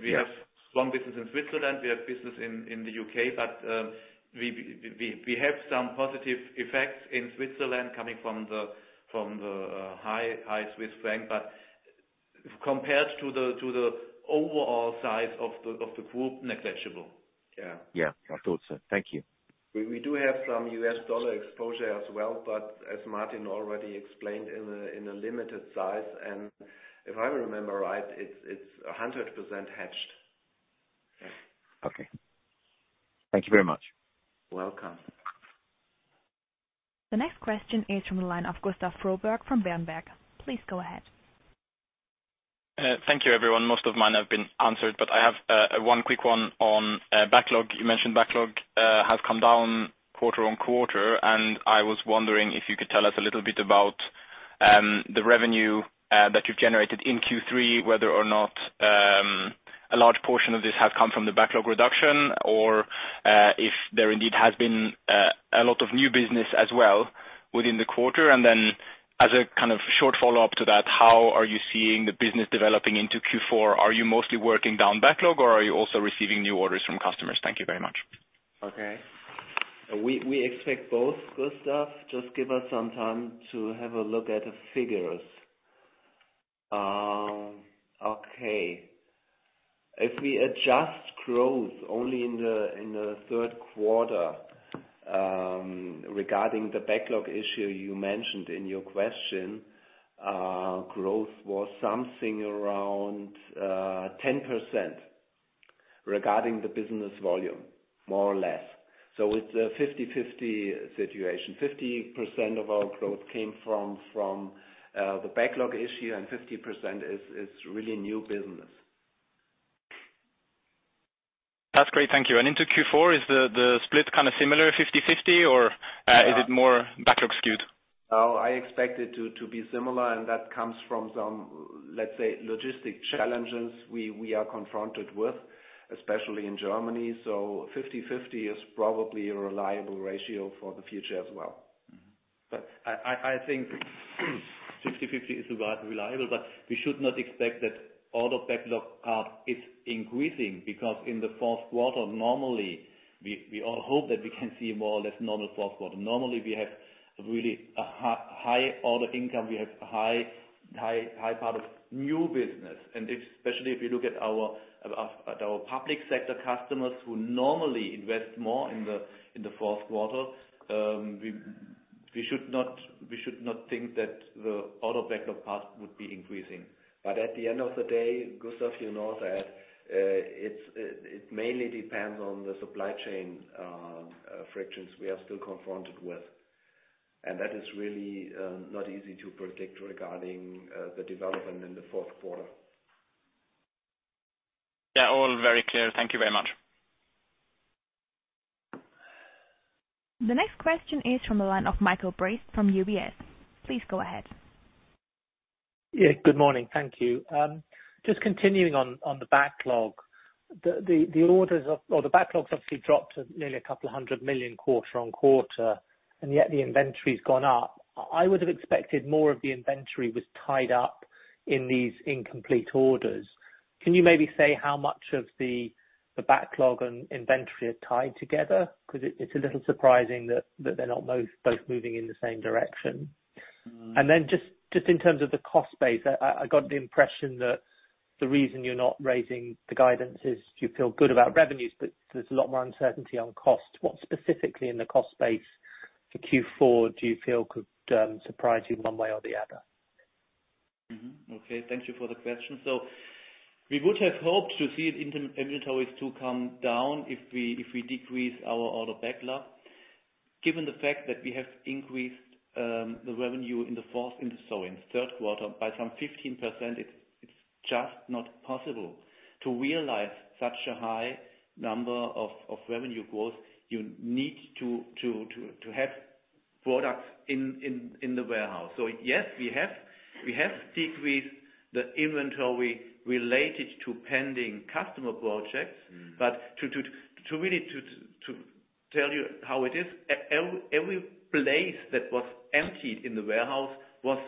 We have strong business in Switzerland. We have business in the U.K., but we have some positive effects in Switzerland coming from the high Swiss franc. Compared to the overall size of the group, negligible. Yeah, I thought so. Thank you. We do have some U.S. dollar exposure as well, but as Martin already explained, in a limited size, and if I remember right, it's 100% hedged. Yeah. Okay. Thank you very much. Welcome. The next question is from the line of Gustav Frohberg from Berenberg. Please go ahead. Thank you, everyone. Most of mine have been answered, but I have one quick one on backlog. You mentioned backlog has come down quarter-over-quarter, and I was wondering if you could tell us a little bit about the revenue that you've generated in Q3, whether or not a large portion of this has come from the backlog reduction or if there indeed has been a lot of new business as well within the quarter. Then as a kind of short follow-up to that, how are you seeing the business developing into Q4? Are you mostly working down backlog, or are you also receiving new orders from customers? Thank you very much. Okay. We expect both, Gustav, just give us some time to have a look at the figures. Okay. If we adjust growth only in the third quarter, regarding the backlog issue you mentioned in your question, growth was something around 10% regarding the business volume, more or less. It's a 50/50 situation. 50% of our growth came from the backlog issue and 50% is really new business. That's great. Thank you. Into Q4, is the split kind of similar, 50/50 or is it more backlog skewed? No, I expect it to be similar, and that comes from some, let's say, logistic challenges we are confronted with, especially in Germany. 50/50 is probably a reliable ratio for the future as well. I think 50/50 is quite reliable, but we should not expect that order backlog is increasing because in the fourth quarter, normally we all hope that we can see more or less normal fourth quarter. Normally, we have really a high order income. We have high part of new business. Especially if you look at our public sector customers who normally invest more in the fourth quarter, we should not think that the order backlog part would be increasing. At the end of the day, Gustav, you know that it mainly depends on the supply chain frictions we are still confronted with. That is really not easy to predict regarding the development in the fourth quarter. Yeah, all very clear. Thank you very much. The next question is from a line of Michael Briest from UBS. Please go ahead. Good morning. Thank you. Just continuing on the backlog. The backlog's obviously dropped to nearly 200 million quarter-over-quarter, and yet the inventory's gone up. I would have expected more of the inventory was tied up in these incomplete orders. Can you maybe say how much of the backlog and inventory are tied together? 'Cause it's a little surprising that they're not both moving in the same direction. Mm. Just in terms of the cost base, I got the impression that the reason you're not raising the guidance is you feel good about revenues, but there's a lot more uncertainty on cost. What specifically in the cost base for Q4 do you feel could surprise you one way or the other? Mm-hmm. Okay. Thank you for the question. We would have hoped to see inventories to come down if we decrease our order backlog. Given the fact that we have increased the revenue in the third quarter by some 15%, it's just not possible. To realize such a high number of revenue growth, you need to have products in the warehouse. Yes, we have decreased the inventory related to pending customer projects. Mm. But to really tell you how it is, every place that was emptied in the warehouse was,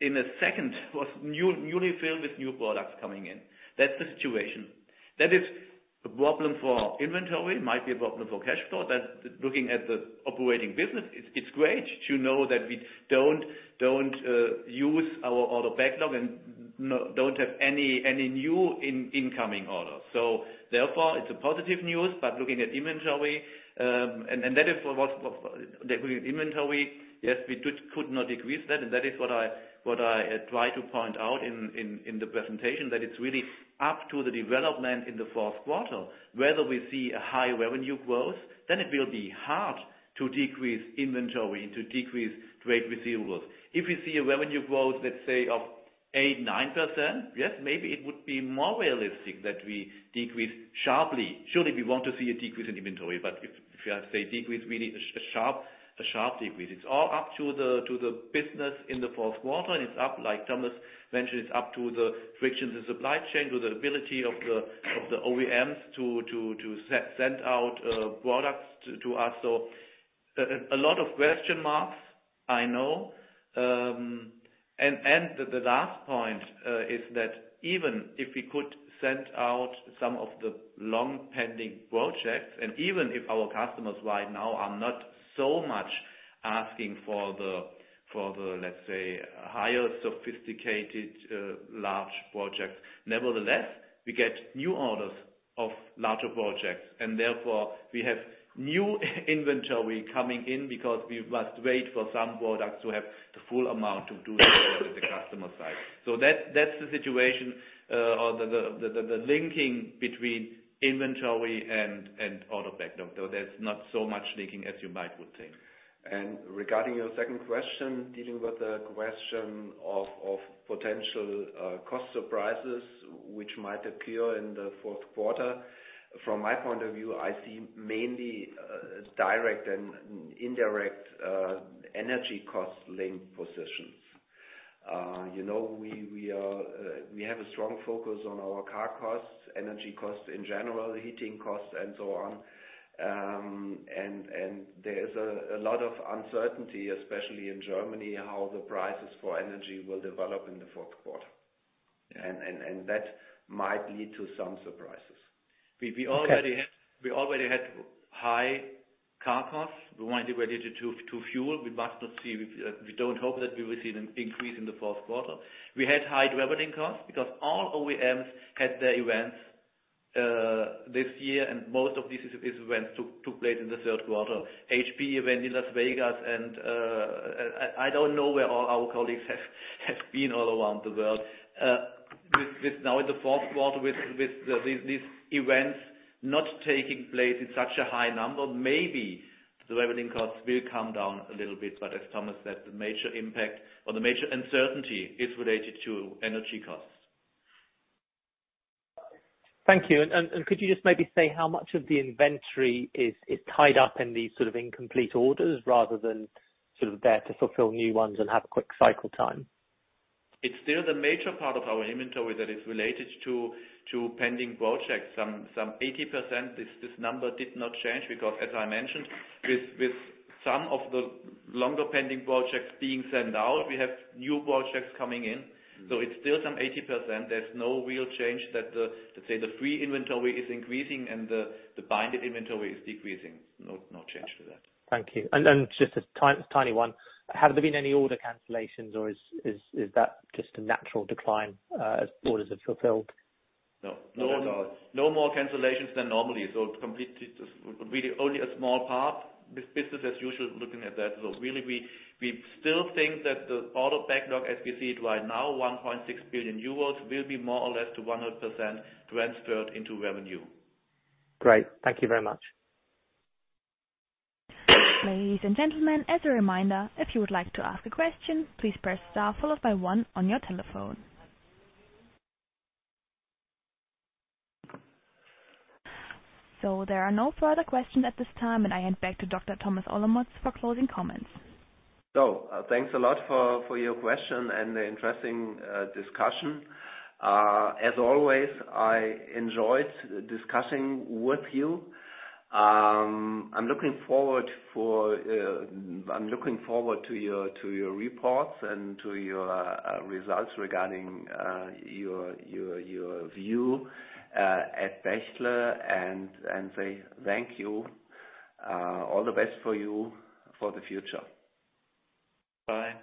in a second, newly filled with new products coming in. That's the situation. That is a problem for inventory, might be a problem for cash flow. Looking at the operating business, it's great to know that we don't use our order backlog and don't have any new incoming orders. Therefore, it's a positive news. Looking at inventory, and that is what. The inventory, yes, we could not decrease that. That is what I try to point out in the presentation, that it's really up to the development in the fourth quarter. Whether we see a high revenue growth, then it will be hard to decrease inventory and to decrease trade receivables. If we see a revenue growth, let's say, of 8%-9%, yes, maybe it would be more realistic that we decrease sharply. Surely, we want to see a decrease in inventory, but if I say decrease, we need a sharp decrease. It's all up to the business in the fourth quarter, and it's up to the frictions to the supply chain with to the ability of the OEMs to send out products to us. A lot of question marks, I know. And the last point is that even if we could send out some of the long-pending projects, and even if our customers right now are not so much asking for the, let's say, higher sophisticated large projects, nevertheless, we get new orders of larger projects. And therefore, we have new inventory coming in because we must wait for some products to have the full amount to do the work at the customer side. That's the situation. The linking between inventory and order backlog. There's not so much linking as you might would think. Regarding your second question, dealing with the question of potential cost surprises which might appear in the fourth quarter, from my point of view, I see mainly direct and indirect energy cost-linked positions. You know, we have a strong focus on our core costs, energy costs in general, heating costs, and so on. That might lead to some surprises. We already had Okay. We already had high car costs. We want it related to fuel. We don't hope that we will see an increase in the fourth quarter. We had high traveling costs because all OEMs had their events this year, and most of these events took place in the third quarter. HP event in Las Vegas and I don't know where all our colleagues have been all around the world. Now, with the fourth quarter, with these events not taking place in such a high number, maybe the travel costs will come down a little bit, but as Thomas said, the major impact or the major uncertainty is related to energy costs. Thank you. Could you just maybe say how much of the inventory is tied up in these sort of incomplete orders rather than sort of there to fulfill new ones and have a quick cycle time? It's still the major part of our inventory that is related to pending projects. Some 80%. This number did not change because as I mentioned, with some of the longer pending projects being sent out, we have new projects coming in. It's still some 80%. There's no real change that the, let's say, the free inventory is increasing and the bound inventory is decreasing. No change to that. Thank you. Just a tiny one. Have there been any order cancellations or is that just a natural decline, as orders have fulfilled? No more cancellations than normally. Completely just really only a small part. This business as usual looking at that. Really, we still think that the order backlog as we see it right now, 1.6 billion euros, will be more or less to 100% transferred into revenue. Great. Thank you very much. Ladies and gentlemen, as a reminder, if you would like to ask a question, please press star followed by one on your telephone. There are no further questions at this time, and I hand back to Dr. Thomas Olemotz for closing comments. Thanks a lot for your question and the interesting discussion. As always, I enjoyed discussing with you. I'm looking forward to your reports and to your results regarding your view at Bechtle and say thank you. All the best for you for the future. Bye.